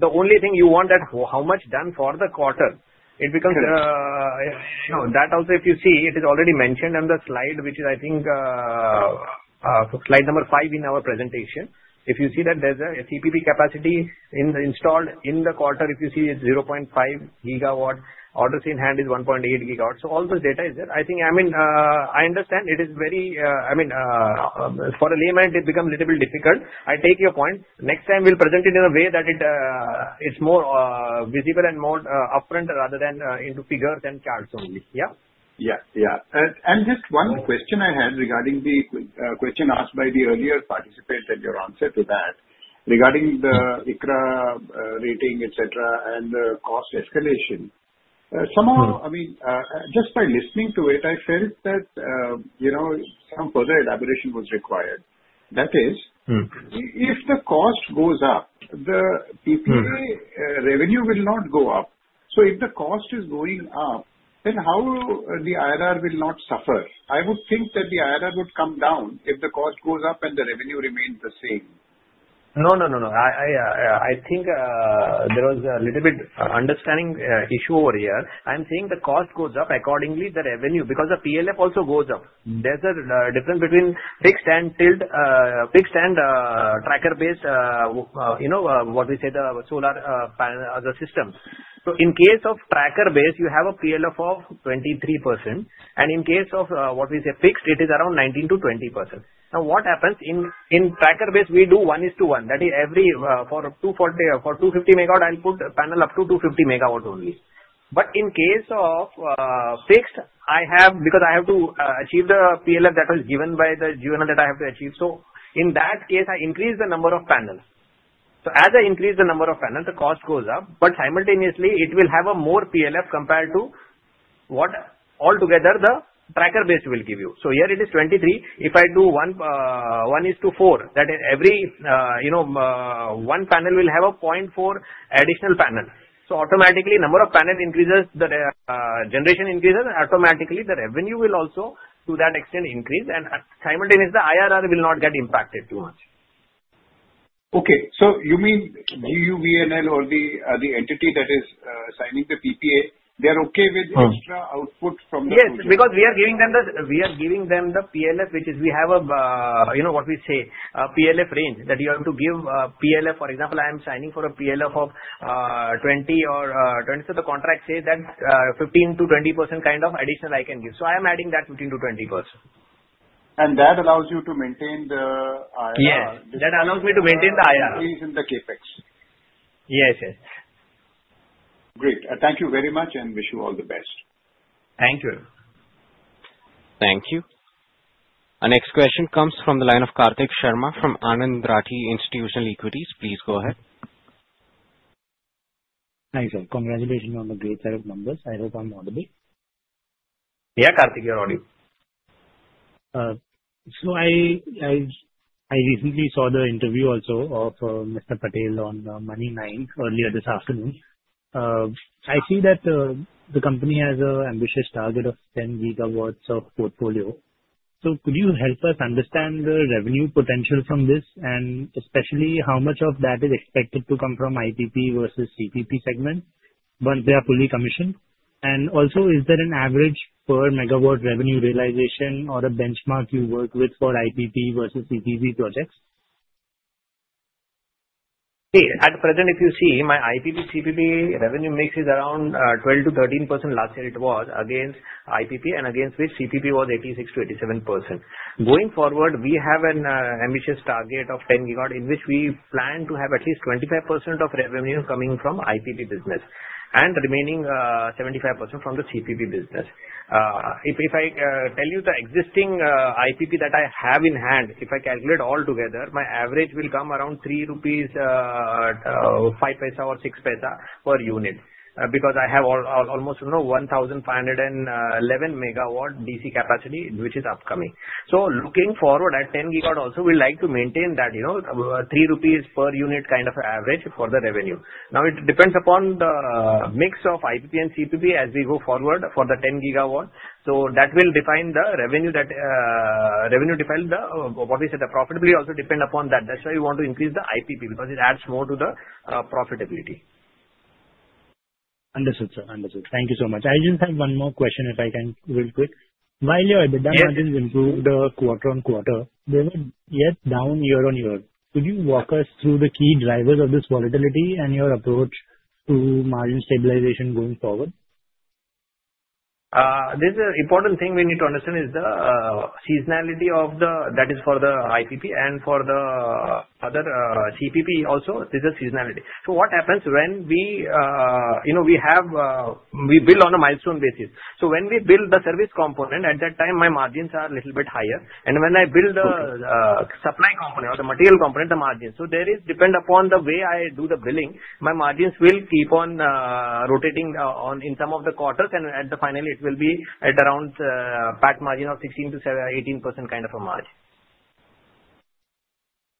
The only thing you want that how much done for the quarter. It becomes that also, if you see, it is already mentioned on the slide, which is, I think, slide number five in our presentation. If you see that there's a CPP capacity installed in the quarter, if you see it's 0.5 GW, orders in hand is 1.8 GW. So all those data is there. I think, I mean, I understand it is very I mean, for a layman, it becomes a little bit difficult. I take your point. Next time, we'll present it in a way that it's more visible and more upfront rather than into figures and charts only. Yeah? Yeah, yeah. And just one question I had regarding the question asked by the earlier participant and your answer to that regarding the ICRA rating, etc., and the cost escalation. I mean, just by listening to it, I felt that some further elaboration was required. That is, if the cost goes up, the PPA revenue will not go up. So if the cost is going up, then how the IRR will not suffer? I would think that the IRR would come down if the cost goes up and the revenue remains the same. No, no, no, no. I think there was a little bit understanding issue over here. I'm saying the cost goes up accordingly to the revenue because the PLF also goes up. There's a difference between fixed and tilted fixed and tracker-based, what we say the solar panel as a system. So in case of tracker-based, you have a PLF of 23%. And in case of what we say fixed, it is around 19%-20%. Now, what happens in tracker-based, we do 1:1. That is, for 250 MW, I'll put a panel up to 250 MW only. But in case of fixed, because I have to achieve the PLF that was given by the given that I have to achieve, so in that case, I increase the number of panels. So as I increase the number of panels, the cost goes up, but simultaneously, it will have a more PLF compared to what altogether the tracker-based will give you. So here it is 23. If I do 1:4, that is, every one panel will have a 0.4 additional panel. So automatically, number of panels increases, the generation increases, and automatically, the revenue will also to that extent increase. And simultaneously, the IRR will not get impacted too much. Okay. So you mean GUVNL or the entity that is signing the PPA, they are okay with extra output from the? Yes, because we are giving them the PLF, which is we have a what we say PLF range that you have to give PLF. For example, I am signing for a PLF of 20 or so. The contract says that 15%-20% kind of additional I can give. So I am adding that 15%-20%. That allows you to maintain the IRR? Yes, that allows me to maintain the IRR. In the CapEx? Yes, yes. Great. Thank you very much, and wish you all the best. Thank you. Thank you. Our next question comes from the line of Kartik Sharma from Anand Rathi Institutional Equities. Please go ahead. Hi, sir. Congratulations on the great set of numbers. I hope I'm audible. Yeah, Kartik, you're audible. I recently saw the interview also of Mr. Patel on Money9 earlier this afternoon. I see that the company has an ambitious target of 10 GW of portfolio. Could you help us understand the revenue potential from this, and especially how much of that is expected to come from IPP versus CPP segment once they are fully commissioned? Also, is there an average per MW revenue realization or a benchmark you work with for IPP versus CPP projects? See, at present, if you see, my IPP-CPP revenue mix is around 12%-13% last year it was against IPP, and against which CPP was 86%-87%. Going forward, we have an ambitious target of 10 GW in which we plan to have at least 25% of revenue coming from IPP business and remaining 75% from the CPP business. If I tell you the existing IPP that I have in hand, if I calculate altogether, my average will come around 3.5 rupees or 6 per unit because I have almost 1,511 MW DC capacity, which is upcoming. So looking forward at 10 GW also, we'd like to maintain that 3 rupees per unit kind of average for the revenue. Now, it depends upon the mix of IPP and CPP as we go forward for the 10 GW. So, that will define the revenue. That revenue defines the, what we say, the profitability also depends upon that. That's why we want to increase the IPP because it adds more to the profitability. Understood, sir. Understood. Thank you so much. I just have one more question if I can really quick. While your EBITDA margins improved quarter on quarter, they were yet down year on year. Could you walk us through the key drivers of this volatility and your approach to margin stabilization going forward? This is an important thing we need to understand: the seasonality of the, that is, for the IPP and for the other CPP also. This is seasonality. So what happens when we build on a milestone basis. So when we build the service component, at that time, my margins are a little bit higher. And when I build the supply component or the material component, the margins. So it depends upon the way I do the billing, my margins will keep on rotating in some of the quarters, and at the final, it will be at around PAT margin of 16%-18% kind of a margin.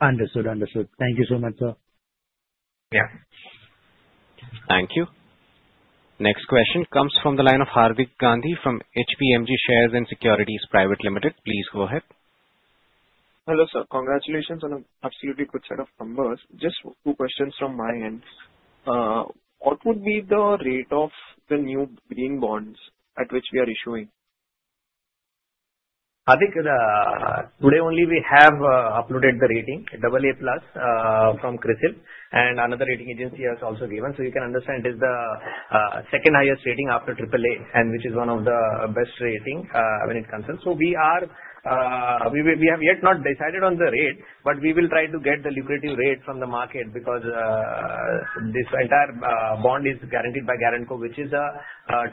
Understood. Understood. Thank you so much, sir. Yeah. Thank you. Next question comes from the line of Hardik Gandhi from HPMG Shares and Securities Private Limited. Please go ahead. Hello, sir. Congratulations on an absolutely good set of numbers. Just two questions from my end. What would be the rate of the new green bonds at which we are issuing? Hardik, today only we have uploaded the rating AA+ from CRISIL, and another rating agency has also given. So you can understand it is the second highest rating after AAA, which is one of the best rating when it comes to. So we have yet not decided on the rate, but we will try to get the lucrative rate from the market because this entire bond is guaranteed by GUVNL, which is a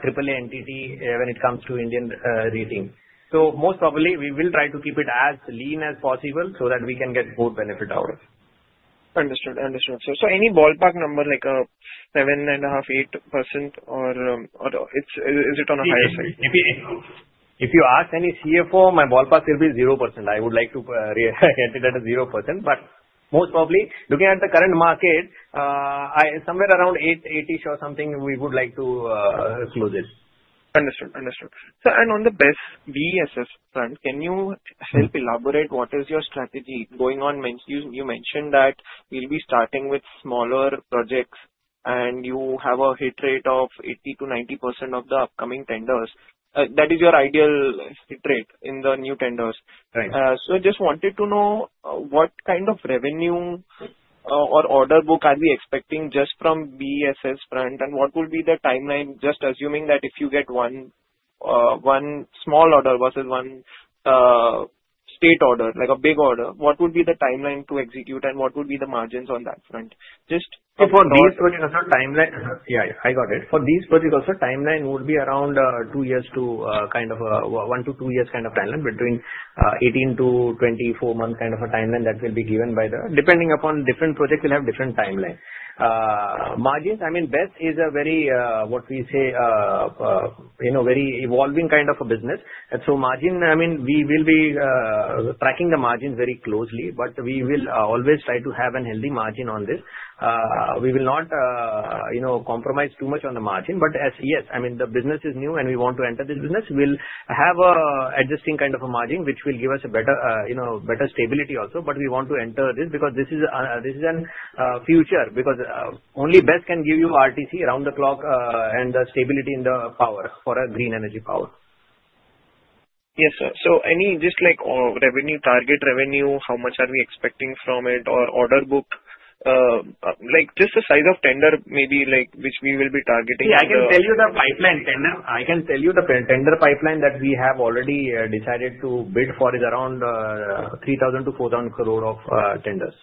AAA entity when it comes to Indian rating. So most probably, we will try to keep it as lean as possible so that we can get good benefit out of it. Understood. Understood. So any ballpark number like 7.5%-8%, or is it on a higher side? If you ask any CFO, my ballpark will be 0%. I would like to get it at 0%. But most probably, looking at the current market, somewhere around 80% or something, we would like to close it. Understood. Understood. Sir, and on the BESS front, can you help elaborate what is your strategy going on? You mentioned that you'll be starting with smaller projects, and you have a hit rate of 80%-90% of the upcoming tenders. That is your ideal hit rate in the new tenders. So I just wanted to know what kind of revenue or order book are we expecting just from BESS front, and what will be the timeline, just assuming that if you get one small order versus one state order, like a big order, what would be the timeline to execute, and what would be the margins on that front? For these projects also, timeline would be around two years to kind of one to two years kind of timeline between 18 months-24 months kind of a timeline that will be given by the depending upon different projects. We'll have different timeline. Margins, I mean, BESS is a very, what we say, very evolving kind of a business. And so margin, I mean, we will be tracking the margins very closely, but we will always try to have a healthy margin on this. We will not compromise too much on the margin. But yes, I mean, the business is new, and we want to enter this business. We'll have an adjusting kind of a margin, which will give us a better stability also. But we want to enter this because this is a future because only BESS can give you RTC around the clock and the stability in the power for a green energy power. Yes, sir, so any just like revenue target revenue, how much are we expecting from it, or order book, just the size of tender maybe which we will be targeting? Yeah, I can tell you the tender pipeline that we have already decided to bid for is around 3,000 crore-4,000 crore of tenders.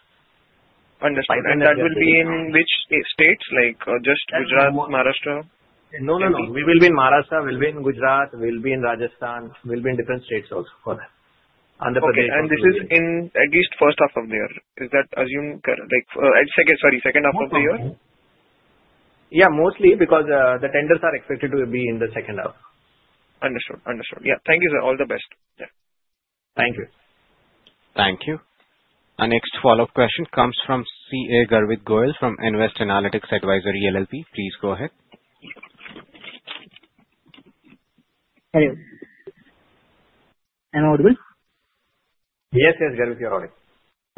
Understood. And that will be in which states? Just Gujarat, Maharashtra? No, no, no. We will be in Maharashtra, we'll be in Gujarat, we'll be in Rajasthan, we'll be in different states also for that. And the. Okay. And this is in at least first half of the year? Is that assumed second, sorry, second half of the year? Yeah, mostly because the tenders are expected to be in the second half. Understood. Understood. Yeah. Thank you, sir. All the best. Thank you. Thank you. Our next follow-up question comes from CA Garvit Goyal from Nvest Analytics Advisory LLP. Please go ahead. Hello. I'm audible? Yes, yes, Garvit, you're audible.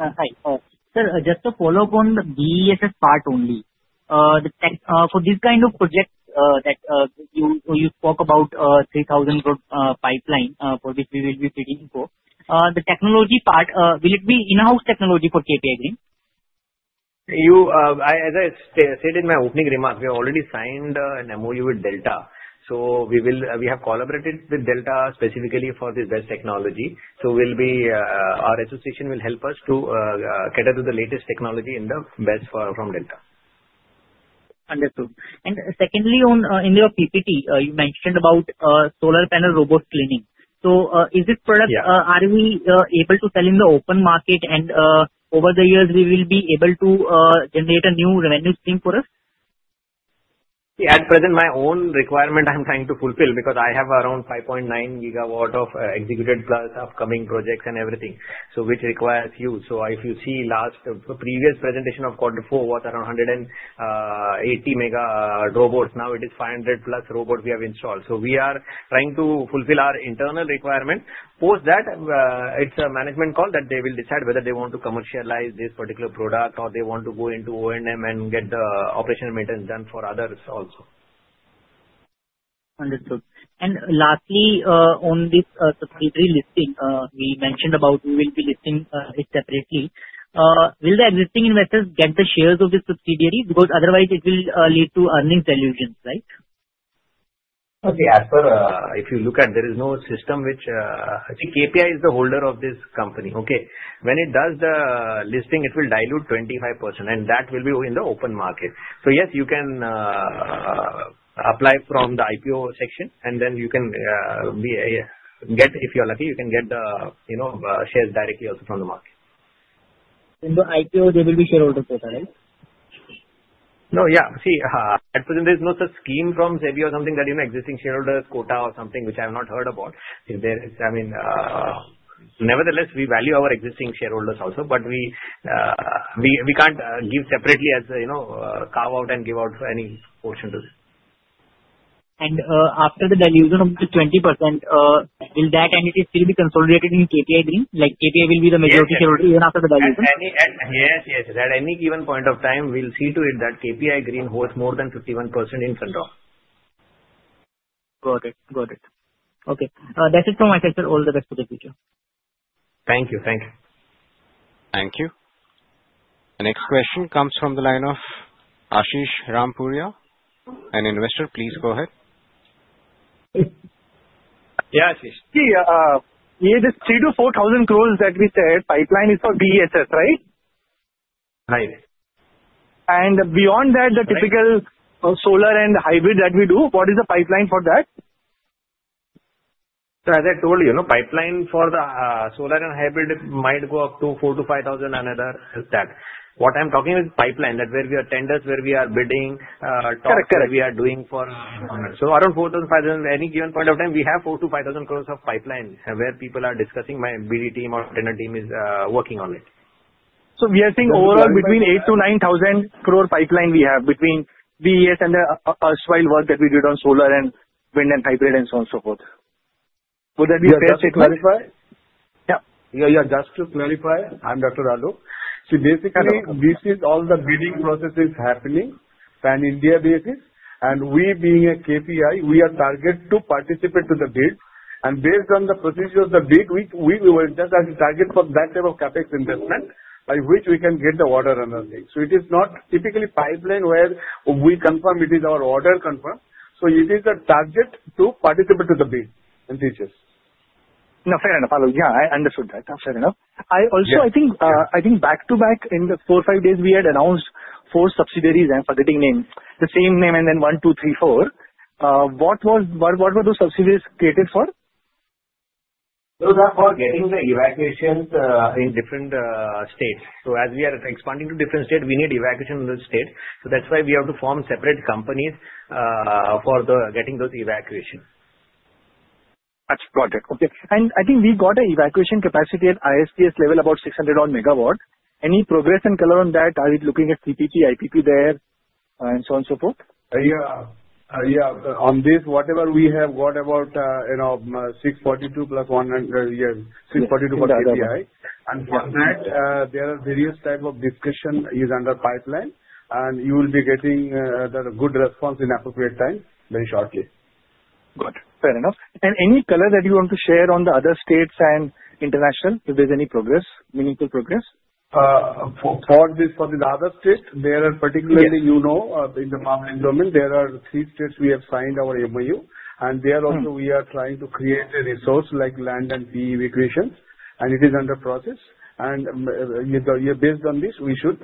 Hi. Sir, just to follow up on the BESS part only, for this kind of project that you spoke about, 3,000 pipeline for which we will be bidding for, the technology part, will it be in-house technology for KPI Green? As I said in my opening remarks, we already signed an MOU with Delta. So we have collaborated with Delta specifically for this BESS technology. So our association will help us to cater to the latest technology in the BESS from Delta. Understood, and secondly, on your PPT, you mentioned Solar Panel Robot Cleaning. So, is it a product we are able to sell in the open market, and over the years, we will be able to generate a new revenue stream for us? Yeah. At present, my own requirement I'm trying to fulfill because I have around 5.9 GW of executed plus upcoming projects and everything, so which requires huge. So if you see last previous presentation of quarter four was around 180 MW robots. Now it is 500+ robots we have installed. So we are trying to fulfill our internal requirement. Post that, it's a management call that they will decide whether they want to commercialize this particular product or they want to go into O&M and get the operational maintenance done for others also. Understood. And lastly, on this subsidiary listing, we mentioned about we will be listing it separately. Will the existing investors get the shares of this subsidiary? Because otherwise, it will lead to earnings dilution, right? Okay. As per if you look at, there is no system which I think KPI is the holder of this company. Okay. When it does the listing, it will dilute 25%, and that will be in the open market. So yes, you can apply from the IPO section, and then you can get if you're lucky, you can get the shares directly also from the market. In the IPO, they will be shareholders' quota, right? No. Yeah. See, at present, there is no such scheme from SEBI or something that existing shareholders quota or something, which I have not heard about. I mean, nevertheless, we value our existing shareholders also, but we can't give separately as a carve-out and give out any portion to them. After the dilution of the 20%, will that entity still be consolidated in KPI Green? Will KPI be the majority shareholder even after the dilution? Yes, yes. At any given point of time, we'll see to it that KPI Green holds more than 51% in Sun Drops. Got it. Got it. Okay. That's it from my side, sir. All the best for the future. Thank you. Thank you. Thank you. The next question comes from the line of Ashish Rampuria. An investor, please go ahead. Yeah, Ashish. See, this 3,000 crore-4,000 crore that we said, pipeline is for BESS, right? Right. Beyond that, the typical solar and hybrid that we do, what is the pipeline for that? So, as I told you, pipeline for the solar and hybrid might go up to 4,000 crore-5,000 crore and over that. What I'm talking is pipeline that where we are tenders, where we are bidding, talks that we are doing for. So, around 4,000 crore-5,000 crore, any given point of time, we have 4,000 crore-5,000 crore of pipeline where people are discussing. My BD team or tender team is working on it. We are seeing overall between 8,000 crore-9,000 crore pipeline we have between BESS and the usual work that we did on solar and wind and hybrid and so on and so forth. Would that be fair statement? Just to clarify. Yeah, just to clarify, I'm Dr. Alok. See, basically, this is all the bidding process is happening pan-India basis. And we being a KPI, we are targeted to participate to the bid. And based on the procedure of the bid, we were just targeted for that type of CapEx investment by which we can get the order and everything. So it is not typically pipeline where we confirm it is our order confirmed. So it is a target to participate to the bid and features. No, fair enough, Alok. Yeah, I understood that. Fair enough. I also, I think back to back in the four, five days, we had announced four subsidiaries. I'm forgetting names. The same name and then one, two, three, four. What were those subsidiaries created for? Those are for getting the evacuations in different states. So as we are expanding to different states, we need evacuation in the state. So that's why we have to form separate companies for getting those evacuations. Got it. Okay. And I think we got an evacuation capacity at ISTS level about 600-odd MW. Any progress and color on that? Are we looking at CPP, IPP there, and so on and so forth? On this, whatever we have got about 642 MW plus 100 MW, 642 MW for KPI. And for that, there are various types of discussion is under pipeline. And you will be getting the good response in appropriate time very shortly. Good. Fair enough, and any color that you want to share on the other states and international if there's any progress, meaningful progress? For this other state, there are particularly, you know, in the farm environment, there are three states we have signed our MOU, and there also, we are trying to create a resource like land and power evacuation, and it is under process, and based on this, we should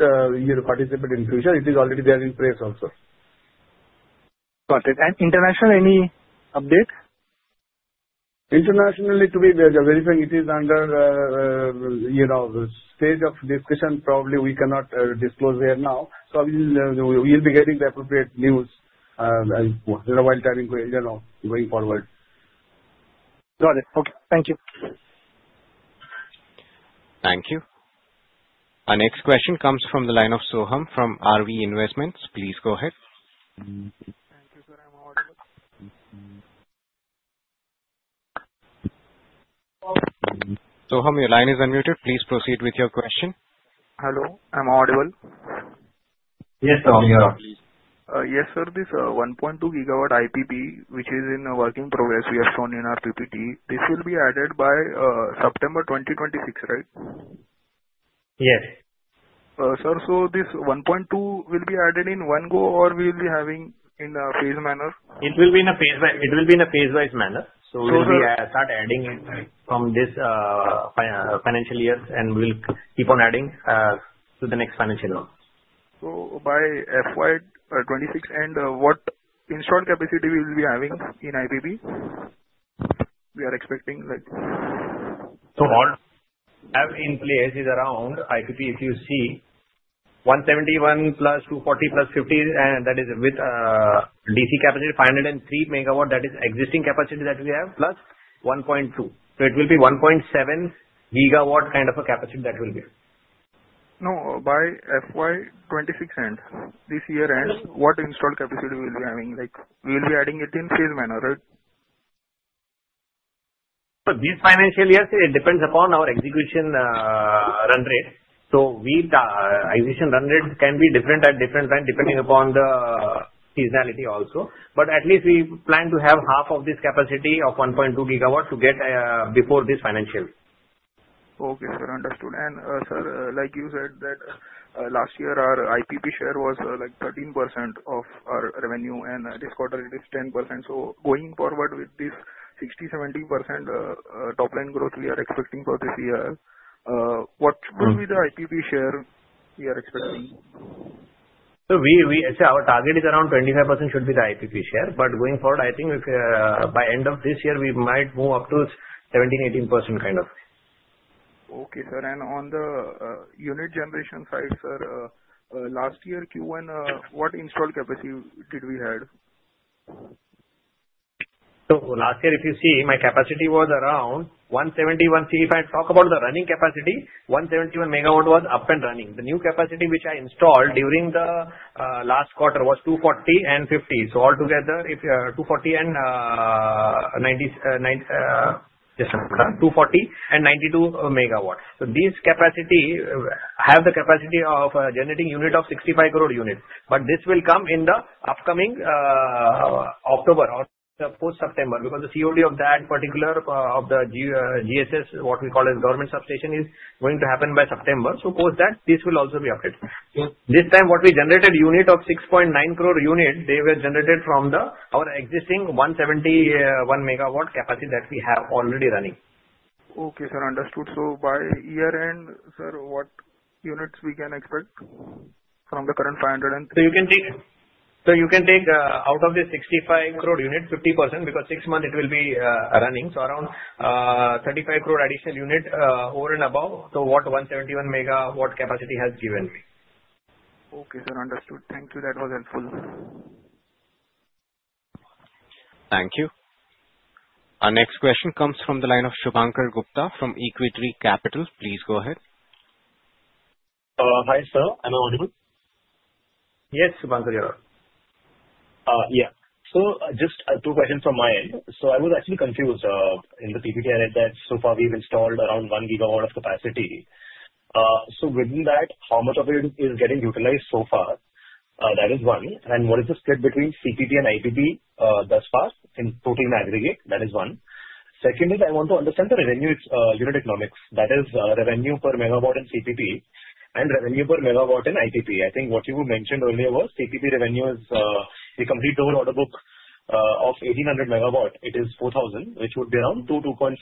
participate in future. It is already there in place also. Got it, and internationally, any update? Internationally, to be verified, it is under stage of discussion. Probably we cannot disclose there now. So we'll be getting the appropriate news while going forward. Got it. Okay. Thank you. Thank you. Our next question comes from the line of Soham from Ariel Investments. Please go ahead. Thank you, sir. I'm audible. Soham, your line is unmuted. Please proceed with your question. Hello. I'm audible. Yes, Soham, you're on. Yes, sir. This 1.2 GW IPP, which is in work in progress, we have shown in our PPT. This will be added by September 2026, right? Yes. Sir, so this 1.2 GW will be added in one go, or we will be having in a phase manner? It will be in a phase-wise manner. So we will be start adding it from this financial year, and we will keep on adding to the next financial year. So by FY26, and what installed capacity will we be having in IPP? We are expecting like. So, all we have in place is around IPP. If you see, 171 plus 240 plus 50, and that is with DC capacity 503 MW. That is existing capacity that we have plus 1.2 GW. So it will be 1.7 GW kind of a capacity that will be. Now, by FY26 end, this year end, what installed capacity will we be having? We will be adding it in phase manner, right? This financial year, it depends upon our execution run rate. Execution run rate can be different at different time depending upon the seasonality also. But at least we plan to have half of this capacity of 1.2 GW to get before this financial. Okay, sir. Understood. And sir, like you said that last year, our IPP share was like 13% of our revenue, and this quarter, it is 10%. So going forward with this 60%-70% top-line growth we are expecting for this year, what will be the IPP share we are expecting? So, we see our target is around 25%. Should be the IPP share. But going forward, I think by end of this year, we might move up to 17%-18% kind of. Okay, sir. And on the unit generation side, sir, last year, Q1, what installed capacity did we had? So last year, if you see, my capacity was around 171 MW. See, if I talk about the running capacity, 171 MW was up and running. The new capacity which I installed during the last quarter was 240 MW and 50 MW. So altogether, 240 MW and 90 MW, just a minute, 240 MW and 92 MW. So these capacity have the capacity of generating unit of 65 crore units. But this will come in the upcoming October or post-September because the COD of that particular of the GSS, what we call as grid substation, is going to happen by September. So post that, this will also be updated. This time, what we generated unit of 6.9 crore units, they were generated from our existing 171 MW capacity that we have already running. Okay, sir. Understood. So by year end, sir, what units we can expect from the current 500 MW? So you can take out of this 65 crore units 50% because six months it will be running. So around 35 crore additional units over and above the what 171 MW capacity has given me. Okay, sir. Understood. Thank you. That was helpful. Thank you. Our next question comes from the line of Shubhankar Gupta from Equitree Capital. Please go ahead. Hi, sir. I'm audible. Yes, Shubhankar, you're on. Yeah. So just two questions from my end. So I was actually confused in the PPT. I read that so far we've installed around 1 GW of capacity. So within that, how much of it is getting utilized so far? That is one. And what is the split between CPP and IPP thus far in total aggregate? That is two. Secondly, I want to understand the revenue unit economics. That is revenue per MW in CPP and revenue per MW in IPP. I think what you mentioned earlier was CPP revenue is we complete the whole order book of 1,800 MWs. It is 4,000 crore, which would be around 2-2.5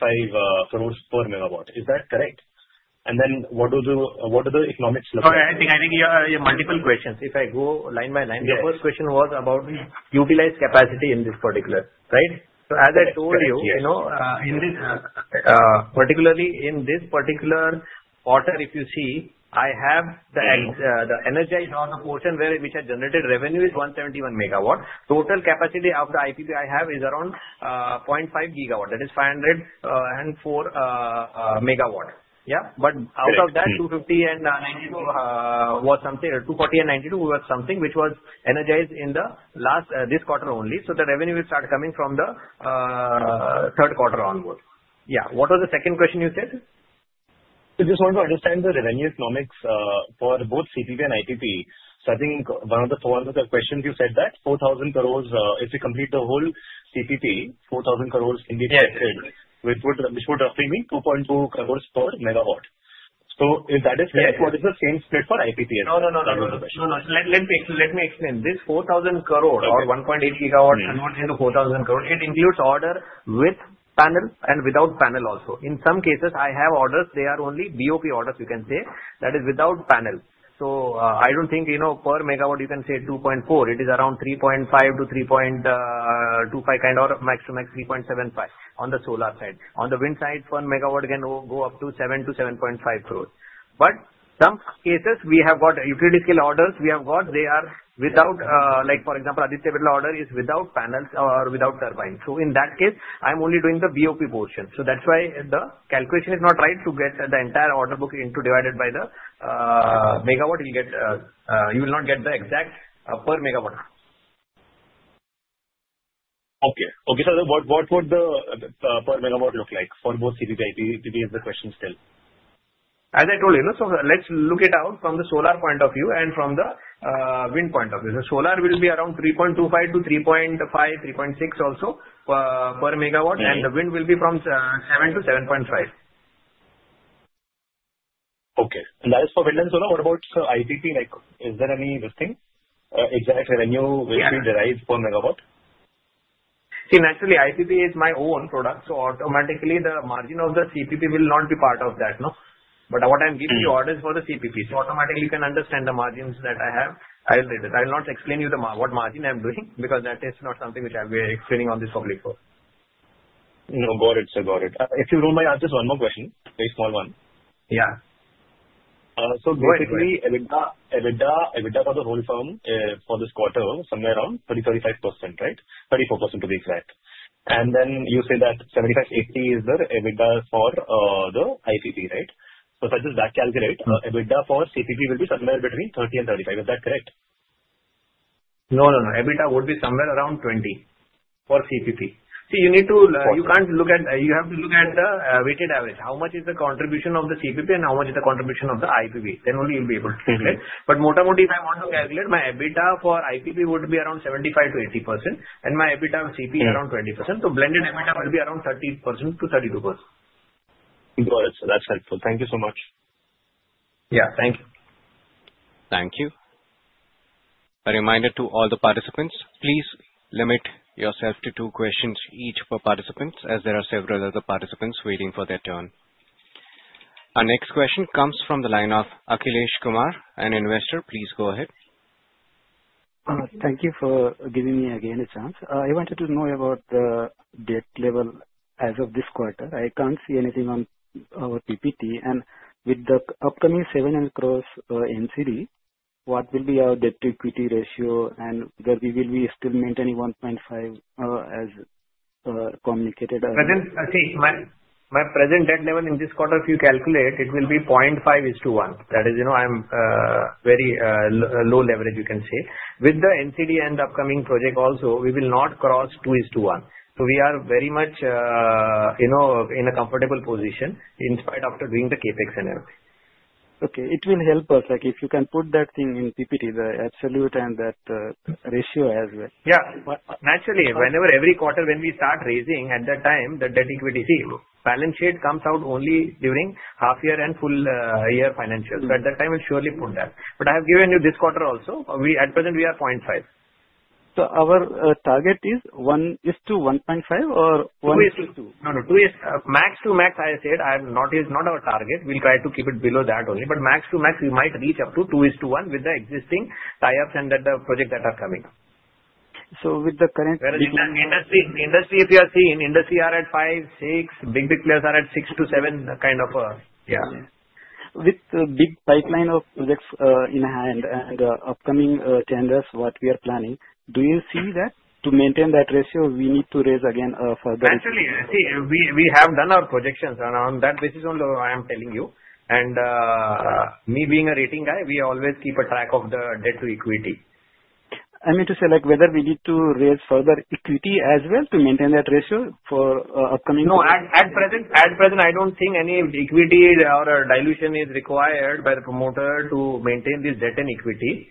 crores per MW. Is that correct? And then what do the economics look like? Sorry, I think you have multiple questions. If I go line by line, the first question was about utilized capacity in this particular, right? So as I told you, particularly in this particular quarter, if you see, I have the energized portion which I generated revenue is 171 MW. Total capacity of the IPP I have is around 0.5 GW. That is 504 MW. Yeah. But out of that, 250 MW and 92 MW was something 240 MW and 92 MW was something which was energized in this quarter only. So the revenue will start coming from the third quarter onward. Yeah. What was the second question you said? So just want to understand the revenue economics for both CPP and IPP. So I think one of the four other questions you said that 4,000 crore, if we complete the whole CPP, 4,000 crore can be collected, which would roughly mean 2.2 crore per megawatt. So if that is correct, what is the same split for IPP as well? No, no, no, no. That was the question. No, no. Let me explain. This 4,000 crore or 1.8 GW converted into 4,000 crore, it includes order with panel and without panel also. In some cases, I have orders. They are only BOP orders, you can say. That is without panel. So I don't think per MW, you can say 2.4 crore. It is around 3.5 crore-3.25 crore kind of max to max 3.75 crore on the solar side. On the wind side, per MW can go up to 7 crore-7.5 crore. But some cases, we have got utility scale orders we have got. They are without, for example, Aditya Birla order is without panels or without turbines. So in that case, I'm only doing the BOP portion. So that's why the calculation is not right to get the entire order book divided by the MW. You will not get the exact per MW. Okay. Okay, sir. What would the per MW look like for both CPP and IPP? Is the question still? As I told you, so let's look it out from the solar point of view and from the wind point of view. The solar will be around 3.25 crore-3.5 crore, 3.6 crore also per megawatt, and the wind will be from 7 crore-7.5 crore. Okay. That is for wind and solar. What about IPP? Is there any listing? Exact revenue will be derived per MW? See, naturally, IPP is my own product. So automatically, the margin of the CPP will not be part of that. But what I'm giving you orders for the CPP. So automatically, you can understand the margins that I have. I'll read it. I'll not explain you what margin I'm doing because that is not something which I'll be explaining on this public forum. No, got it, sir. Got it. If you don't mind, I have just one more question, very small one. Yeah. So basically, EBITDA for the whole firm for this quarter, somewhere around 30%-35%, right? 34% to be exact. And then you say that 75%-80% is the EBITDA for the IPP, right? So if I just back calculate, EBITDA for CPP will be somewhere between 30% and 35%. Is that correct? No, no, no. EBITDA would be somewhere around 20% for CPP. See, you need to, you can't look at, you have to look at the weighted average. How much is the contribution of the CPP and how much is the contribution of the IPP? Then only you'll be able to calculate. But more or less, if I want to calculate my EBITDA for IPP would be around 75%-80%, and my EBITDA of CPP is around 20%. So blended EBITDA will be around 30%-32%. Got it, sir. That's helpful. Thank you so much. Yeah. Thank you. Thank you. A reminder to all the participants, please limit yourself to two questions each per participants as there are several other participants waiting for their turn. Our next question comes from the line of Akhilesh Kumar, an investor. Please go ahead. Thank you for giving me again a chance. I wanted to know about the debt level as of this quarter. I can't see anything on our PPT, and with the upcoming 700 crore NCD, what will be our debt to equity ratio and whether we will be still maintaining 1.5 as communicated? See, my present debt level in this quarter, if you calculate, it will be 0.5:1. That is, I'm very low leverage, you can say. With the NCD and upcoming project also, we will not cross 2:1. So we are very much in a comfortable position in spite of doing the KPIG and everything. Okay. It will help us if you can put that thing in PPT, the absolute and that ratio as well. Yeah. Naturally, whenever every quarter when we start raising, at that time, the debt equity balance sheet comes out only during half year and full year financials. So at that time, we'll surely put that. But I have given you this quarter also. At present, we are 0.5. Our target is 1:1.5 or 1? 2:2. No, no. Max to max, I said, is not our target. We'll try to keep it below that only. But max to max, we might reach up to 2:1 with the existing tie-ups and the projects that are coming. So with the current. Industry, if you are seeing, industry are at five, six. Big, big players are at six to seven kind of. Yeah. With the big pipeline of projects in hand and upcoming tenders, what we are planning, do you see that to maintain that ratio, we need to raise again further? Actually, see, we have done our projections. And on that basis only, I am telling you. And me being a rating guy, we always keep a track of the debt to equity. I meant to say whether we need to raise further equity as well to maintain that ratio for upcoming. No, at present, I don't think any equity or dilution is required by the promoter to maintain this debt and equity.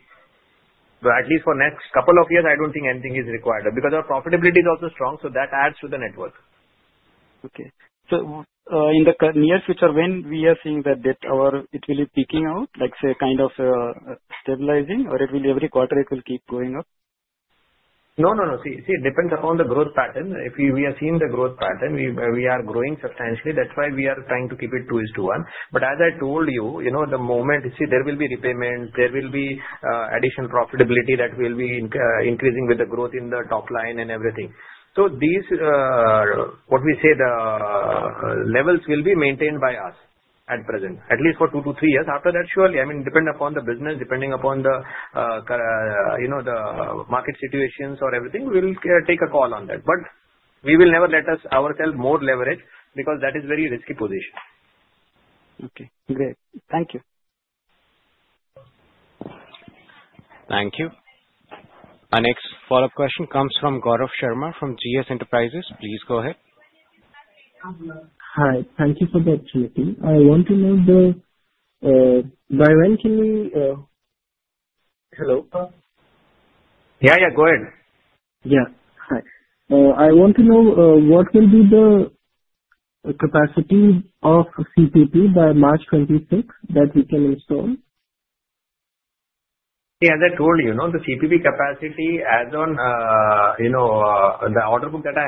But at least for next couple of years, I don't think anything is required because our profitability is also strong. So that adds to the network. Okay. So in the near future, when we are seeing that debt, it will be peaking out, like say kind of stabilizing, or every quarter, it will keep going up? No, no, no. See, it depends upon the growth pattern. If we are seeing the growth pattern, we are growing substantially. That's why we are trying to keep it 2:1. But as I told you, the moment, you see, there will be repayment. There will be additional profitability that will be increasing with the growth in the top line and everything. So what we say, the levels will be maintained by us at present, at least for two to three years. After that, surely, I mean, depending upon the business, depending upon the market situations or everything, we'll take a call on that. But we will never let ourselves more leverage because that is a very risky position. Okay. Great. Thank you. Thank you. Our next follow-up question comes from Gaurav Sharma from GS Enterprises. Please go ahead. Hi. Thank you for the opportunity. I want to know the by when can we hello? Yeah, yeah. Go ahead. Yeah. Hi. I want to know what will be the capacity of CPP by March 2026 that we can install? See, as I told you, the CPP capacity as on the order book that I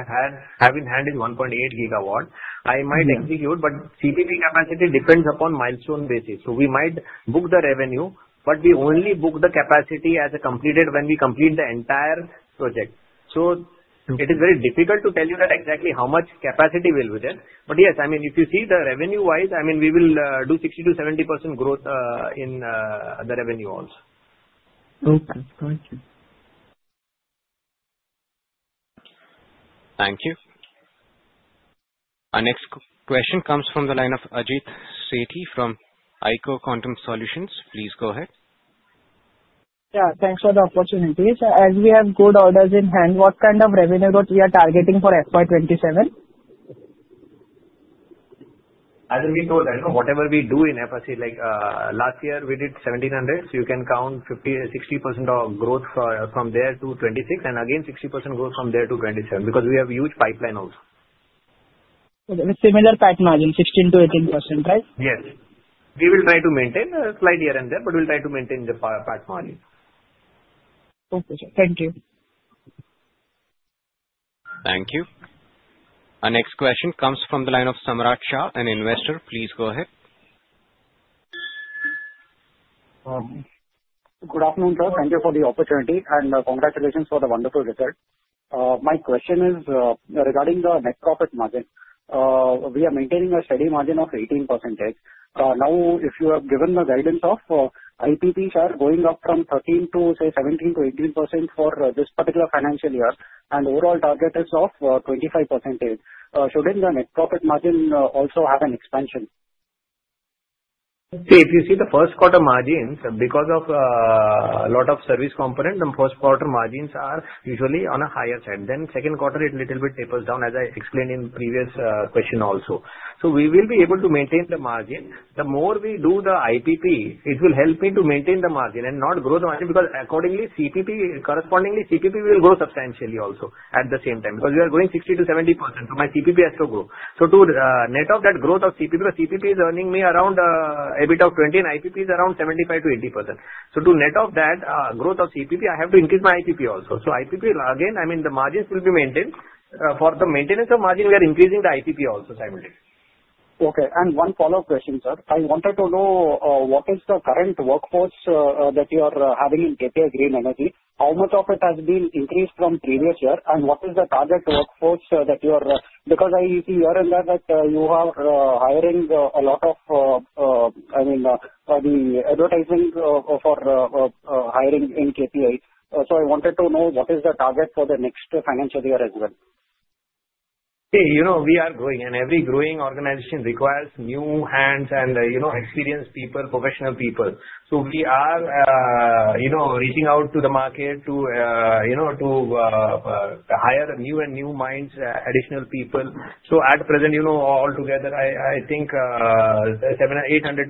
have in hand is 1.8 GW. I might execute, but CPP capacity depends upon milestone basis. So we might book the revenue, but we only book the capacity as completed when we complete the entire project. So it is very difficult to tell you that exactly how much capacity will be there. But yes, I mean, if you see the revenue-wise, I mean, we will do 60%-70% growth in the revenue also. Okay. Thank you. Thank you. Our next question comes from the line of Ajit Seti from Eiko Quantum Solutions. Please go ahead. Yeah. Thanks for the opportunity. So as we have good orders in hand, what kind of revenue that we are targeting for FY27? As we told, whatever we do in FY, last year, we did 1,700. So you can count 60% of growth from there to 2026 and again 60% growth from there to 2027 because we have a huge pipeline also. Similar pipeline margin, 16%-18%, right? Yes. We will try to maintain a slight year-on-year, but we'll try to maintain the pipeline. Okay, sir. Thank you. Thank you. Our next question comes from the line of Samrat Shah, an investor. Please go ahead. Good afternoon, sir. Thank you for the opportunity and congratulations for the wonderful result. My question is regarding the net profit margin. We are maintaining a steady margin of 18%. Now, if you have given the guidance of IPPs are going up from 13% to, say, 17%-18% for this particular financial year and overall target is of 25%. Shouldn't the net profit margin also have an expansion? See, if you see the first quarter margins, because of a lot of service component, the first quarter margins are usually on a higher side. Then second quarter, it a little bit tapers down as I explained in the previous question also. So we will be able to maintain the margin. The more we do the IPP, it will help me to maintain the margin and not grow the margin because accordingly, correspondingly, CPP will grow substantially also at the same time because we are growing 60%-70%. So my CPP has to grow. So to net of that growth of CPP, CPP is earning me around a bit of 20% and IPP is around 75%-80%. So to net of that growth of CPP, I have to increase my IPP also. So IPP, again, I mean, the margins will be maintained. For the maintenance of margin, we are increasing the IPP also simultaneously. Okay. And one follow-up question, sir. I wanted to know what is the current workforce that you are having in KPI Green Energy? How much of it has been increased from previous year? And what is the target workforce that you are because I see here and there that you are hiring a lot of, I mean, the advertising for hiring in KPI. So I wanted to know what is the target for the next financial year as well? See, we are growing, and every growing organization requires new hands and experienced people, professional people. So we are reaching out to the market to hire new and new minds, additional people. So at present, altogether, I think 800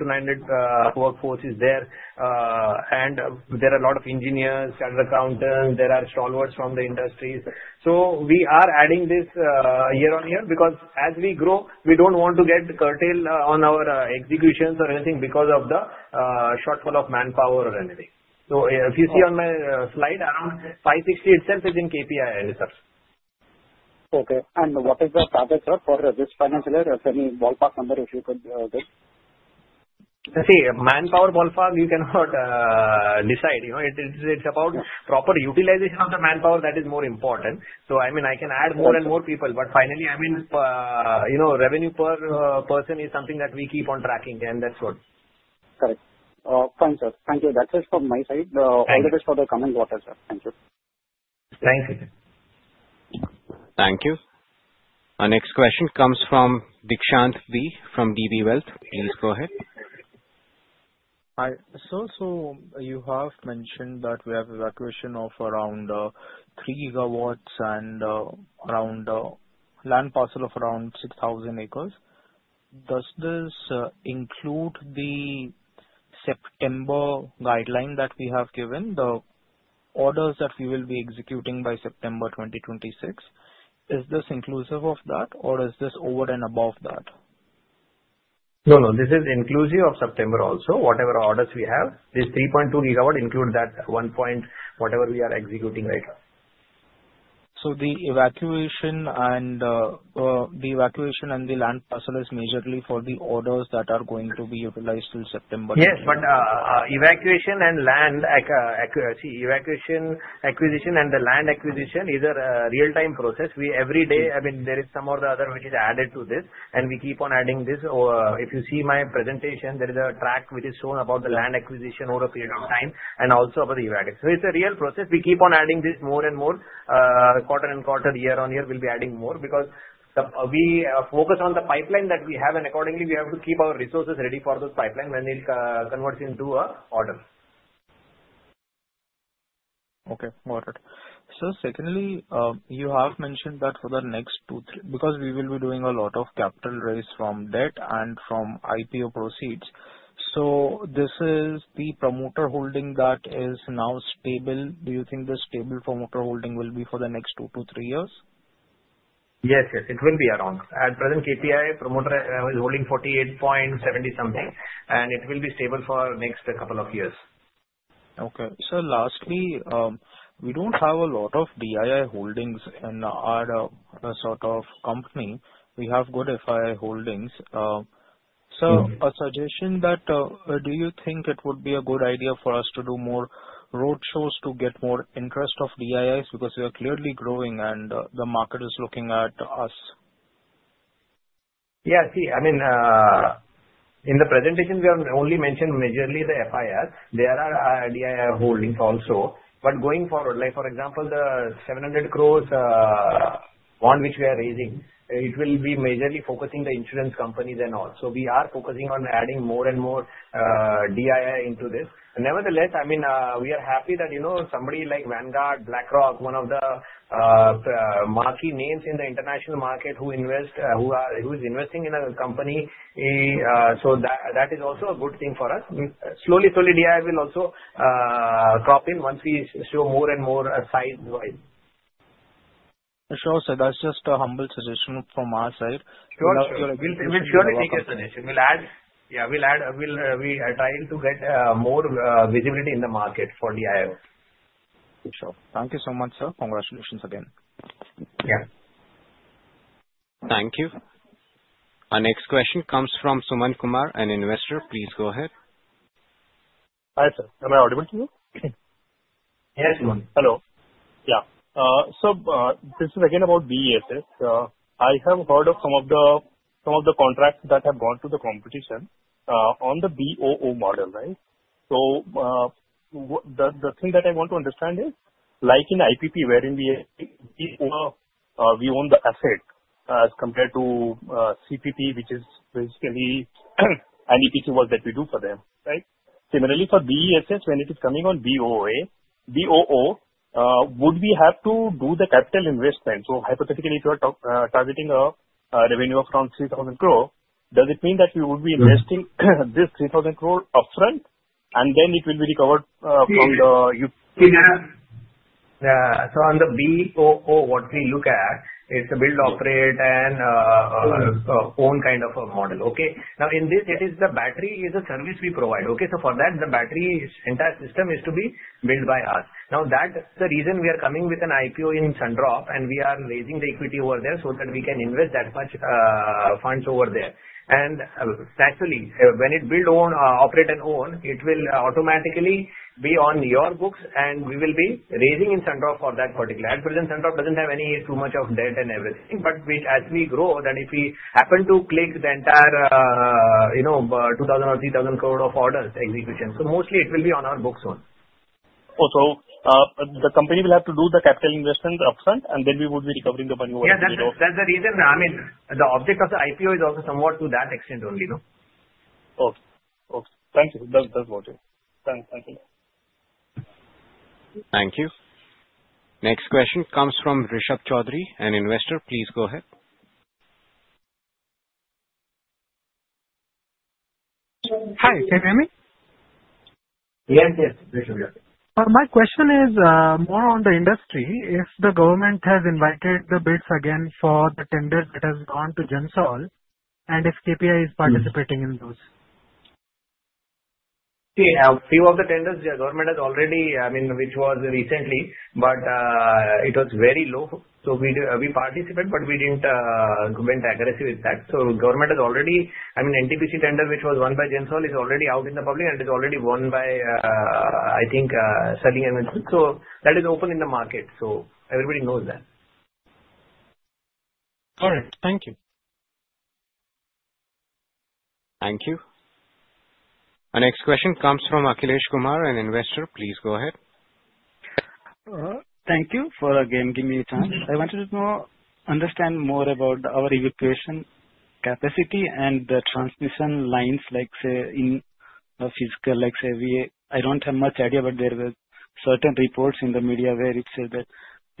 workforce-900 workforce is there. And there are a lot of engineers, chartered accountants. There are stalwarts from the industries. So we are adding this year on year because as we grow, we don't want to get curtailed on our executions or anything because of the shortfall of manpower or anything. So if you see on my slide, around 560 workforce itself is in KPI, sir. Okay, and what is the target, sir, for this financial year? Can you ballpark number if you could give? See, manpower ballpark, you cannot decide. It's about proper utilization of the manpower that is more important. So I mean, I can add more and more people. But finally, I mean, revenue per person is something that we keep on tracking, and that's what. Correct. Fine, sir. Thank you. That's it from my side. All that is for the commentator, sir. Thank you. Thank you. Thank you. Our next question comes from Deekshant B from DB Wealth. Please go ahead. Hi. So you have mentioned that we have evacuation of around 3 GW and around land parcel of around 6,000 acres. Does this include the September guideline that we have given, the orders that we will be executing by September 2026? Is this inclusive of that, or is this over and above that? No, no. This is inclusive of September also. Whatever orders we have, this 3.2 GW includes that 1. whatever we are executing right now. So the evacuation and the land parcel is majorly for the orders that are going to be utilized till September? Yes. But evacuation and land acquisition and the land acquisition is a real-time process. Every day, I mean, there is some other which is added to this, and we keep on adding this. If you see my presentation, there is a track which is shown about the land acquisition over a period of time and also about the evac. So it's a real process. We keep on adding this more and more. Quarter and quarter, year on year, we'll be adding more because we focus on the pipeline that we have, and accordingly, we have to keep our resources ready for those pipeline when it converts into an order. Okay. Got it. So secondly, you have mentioned that for the next two because we will be doing a lot of capital raise from debt and from IPO proceeds. So this is the promoter holding that is now stable. Do you think the stable promoter holding will be for the next two to three years? Yes, yes. It will be around. At present, KPI promoter is holding 48.70% something, and it will be stable for the next couple of years. Okay, so lastly, we don't have a lot of DII holdings in our sort of company. We have good FII holdings. So a suggestion that do you think it would be a good idea for us to do more roadshows to get more interest of DIIs because we are clearly growing and the market is looking at us? Yeah. See, I mean, in the presentation, we have only mentioned majorly the FIIs. There are DII holdings also. But going forward, for example, the 700 crore bond which we are raising, it will be majorly focusing the insurance companies and all. So we are focusing on adding more and more DII into this. Nevertheless, I mean, we are happy that somebody like Vanguard, BlackRock, one of the marquee names in the international market who is investing in a company. So that is also a good thing for us. Slowly, slowly, DII will also crop in once we show more and more size-wise. Sure. So that's just a humble suggestion from our side. We'll surely take your suggestion. Yeah. We are trying to get more visibility in the market for DII. Sure. Thank you so much, sir. Congratulations again. Yeah. Thank you. Our next question comes from Suman Kumar, an investor. Please go ahead. Hi, sir. Am I audible to you? Yes, Suman. Hello. Yeah. So this is again about BESS. I have heard of some of the contracts that have gone to the competition on the BOO model, right? So the thing that I want to understand is, like in IPP, wherein we own the asset as compared to CPP, which is basically any PP work that we do for them, right? Similarly, for BESS, when it is coming on BOO, would we have to do the capital investment? So hypothetically, if you are targeting a revenue of around 3,000 crore, does it mean that we would be investing this 3,000 crore upfront, and then it will be recovered from the? Yeah. So on the BOO, what we look at is the build, operate, and own kind of a model. Okay? Now, in this, it is the battery is a service we provide. Okay? For that, the entire battery system is to be built by us. Now, that's the reason we are coming with an IPO in Sun Drops, and we are raising the equity over there so that we can invest that much funds over there. And naturally, when it build, operate, and own, it will automatically be on your books, and we will be raising in Sun Drops for that particular. At present, Sun Drops doesn't have too much of debt and everything. But as we grow, then if we happen to execute the entire 2,000 crore or 3,000 crore of orders execution, so mostly, it will be on our books only. Oh, so the company will have to do the capital investment upfront, and then we would be recovering the money over there. Yeah. That's the reason. I mean, the objective of the IPO is also somewhat to that extent only. Okay. Okay. Thank you. That's what it is. Thank you. Thank you. Next question comes from Rishabh Chaudhary, an investor. Please go ahead. Hi. Can you hear me? Yes, yes. Rishabh, yes. My question is more on the industry. If the government has invited the bids again for the tenders that have gone to Gensol, and if KPI is participating in those? See, a few of the tenders the government has already, I mean, which was recently, but it was very low. So we participated, but we didn't go in aggressive with that. So government has already, I mean, NTPC tender which was won by Gensol is already out in the public, and it's already won by, I think, SAEL. So that is open in the market. So everybody knows that. All right. Thank you. Thank you. Our next question comes from Akhilesh Kumar, an investor. Please go ahead. Thank you for, again, giving me time. I wanted to understand more about our evacuation capacity and the transmission lines, like, say, in physical, like, say, I don't have much idea, but there were certain reports in the media where it said that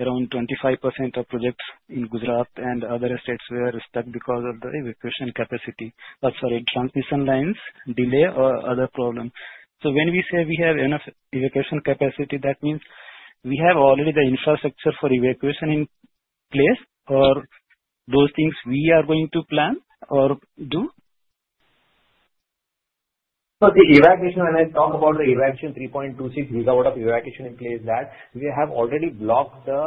around 25% of projects in Gujarat and other states were stuck because of the evacuation capacity. Sorry, transmission lines delay or other problem. So when we say we have enough evacuation capacity, that means we have already the infrastructure for evacuation in place or those things we are going to plan or do? So the evacuation, when I talk about the evacuation 3.26 GW of evacuation in place, that we have already blocked the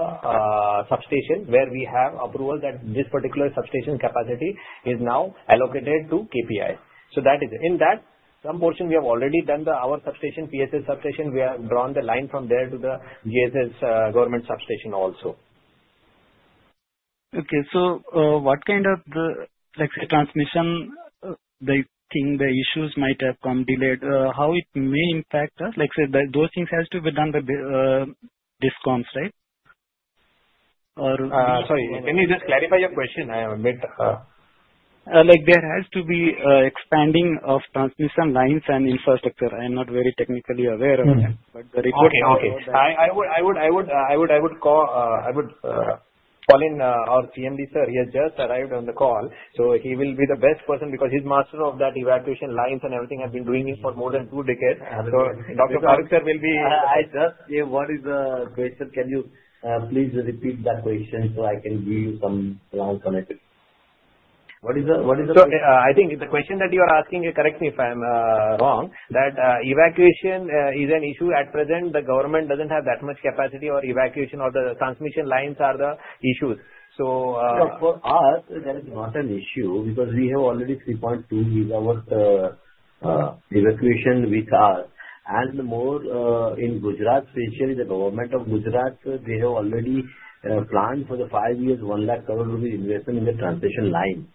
substation where we have approval that this particular substation capacity is now allocated to KPI. So that is in that some portion, we have already done our substation, PSS substation. We have drawn the line from there to the GSS government substation also. Okay. So what kind of the, let's say, transmission, the thing, the issues might have come delayed, how it may impact us? Like say, those things have to be done by DISCOMs, right? Sorry. Can you just clarify your question? I have a bit. There has to be expanding of transmission lines and infrastructure. I'm not very technically aware of that, but the report. Okay. Okay. I would call in our CMD, sir. He has just arrived on the call. So he will be the best person because he's master of that evacuation lines and everything. I've been doing it for more than two decades. So Dr. Faruk sir will be. I just gave what is the question. Can you please repeat that question so I can give you some clarity on it? What is the question? I think the question that you are asking, correct me if I'm wrong, that evacuation is an issue at present. The government doesn't have that much capacity or evacuation or the transmission lines are the issues. So, For us, there is not an issue because we have already 3.2 GW evacuation with us. And more in Gujarat, especially the Government of Gujarat, they have already planned for the five years, 1 lakh crore rupees investment in the transmission line.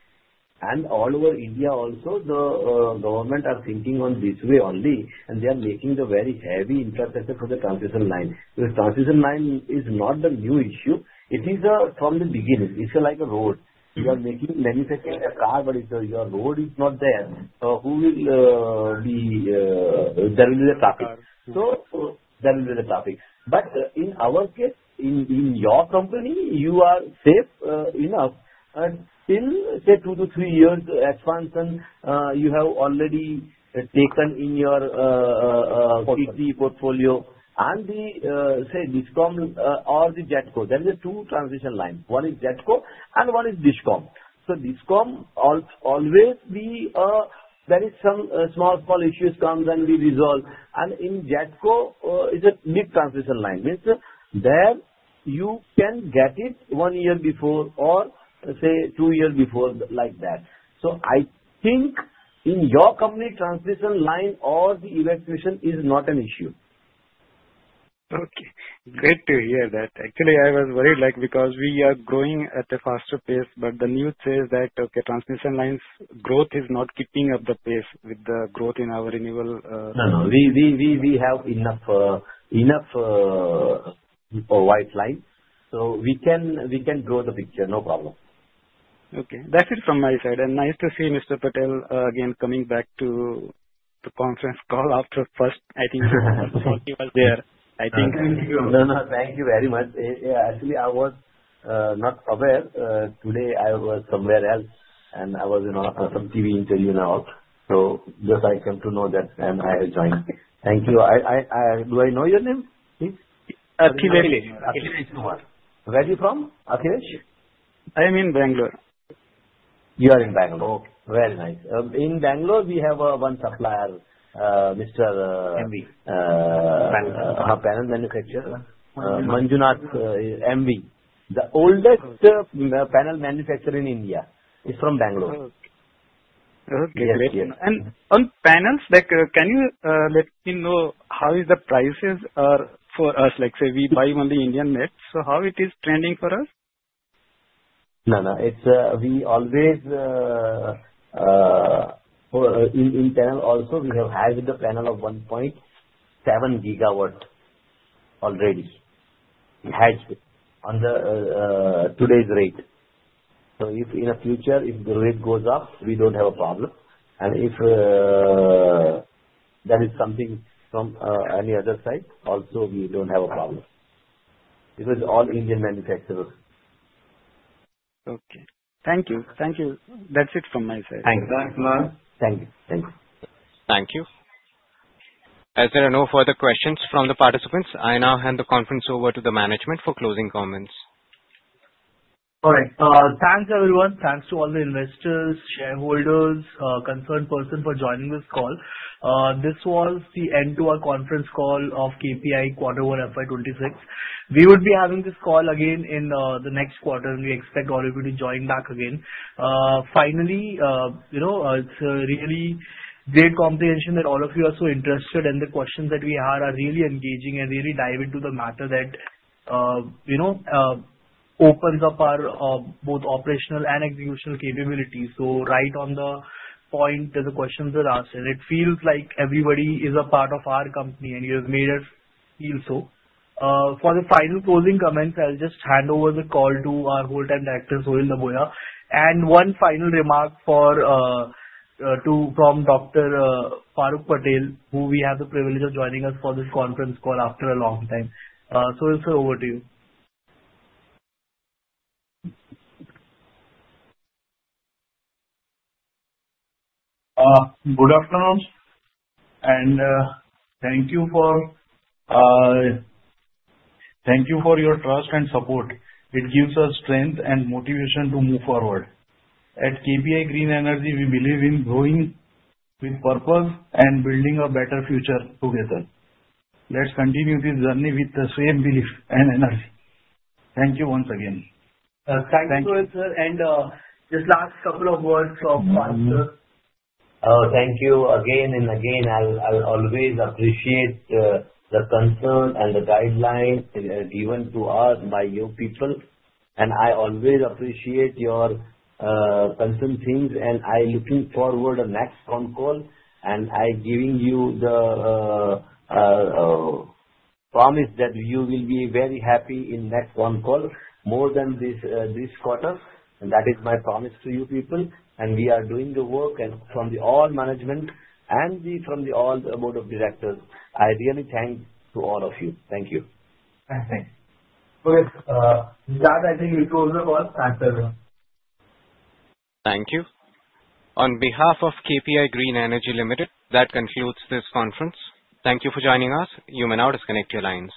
All over India also, the government are thinking on this way only, and they are making the very heavy infrastructure for the transmission line. Because transmission line is not the new issue. It is from the beginning. It's like a road. You are manufacturing a car, but your road is not there. Who will be there will be the traffic? So there will be the traffic. But in our case, in your company, you are safe enough. Still, say, two to three years expansion, you have already taken in your CP portfolio. And say, DISCOM or the GETCO. There are two transmission lines. One is GETCO and one is DISCOM. So DISCOM always be there is some small, small issues come and be resolved. And in GETCO, it's a big transmission line. Means there you can get it one year before or say two years before like that. I think in your company, transmission line or the evacuation is not an issue. Okay. Great to hear that. Actually, I was worried because we are growing at a faster pace, but the news says that transmission lines growth is not keeping up the pace with the growth in our renewables. No, no. We have enough pipeline. So we can draw the picture. No problem. Okay. That's it from my side, and nice to see Mr. Patel again coming back to the conference call after first, I think, he was there. I think. No, no. Thank you very much. Actually, I was not aware. Today, I was somewhere else, and I was in some TV interview now. So just I came to know that, and I have joined. Thank you. Do I know your name? Akhilesh Kumar. Where are you from? Akhilesh? I'm in Bangalore. You are in Bangalore. Okay. Very nice. In Bangalore, we have one supplier, Mr. Panel Manufacturer, Manjunatha Emmvee. The oldest panel manufacturer in India is from Bangalore. Okay. And on panels, can you let me know how the prices are for us? Like say, we buy only Indian nets. So how it is trending for us? No, no. We always have panels also. We have had the panels of 1.7 GW already. We have on today's rate. So in the future, if the rate goes up, we don't have a problem. And if there is something from any other side, also we don't have a problem because all Indian manufacturers. Okay. Thank you. Thank you. That's it from my side. Thank you. Thank you. Thank you. Thank you. As there are no further questions from the participants, I now hand the conference over to the management for closing comments. All right. Thanks, everyone. Thanks to all the investors, shareholders, concerned person for joining this call. This was the end to our conference call of KPI quarter 1, FY26. We would be having this call again in the next quarter, and we expect all of you to join back again. Finally, it's a really great appreciation that all of you are so interested, and the questions that we had are really engaging and really dive into the matter that opens up our both operational and executional capabilities. Right on the point, the questions were asked, and it feels like everybody is a part of our company, and you have made us feel so. For the final closing comments, I'll just hand over the call to our Whole Time Director, Sohil Dabhoya, and one final remark from Dr. Faruk Patel, who we have the privilege of joining us for this conference call after a long time. Sohil, it's over to you. Good afternoon, and thank you for your trust and support. It gives us strength and motivation to move forward. At KPI Green Energy, we believe in growing with purpose and building a better future together. Let's continue this journey with the same belief and energy. Thank you once again. Thank you, sir. And just last couple of words from us, sir. Thank you again and again. I'll always appreciate the concern and the guideline given to us by your people, and I always appreciate your concerned things, and I'm looking forward to the next phone call, and I'm giving you the promise that you will be very happy in the next phone call more than this quarter, and that is my promise to you people, and we are doing the work from all management and from all board of directors. I really thank you all of you. Thank you. Thanks. Okay. With that, I think it's over. Thanks, everyone. Thank you. On behalf of KPI Green Energy Limited, that concludes this conference. Thank you for joining us. You may now disconnect your lines.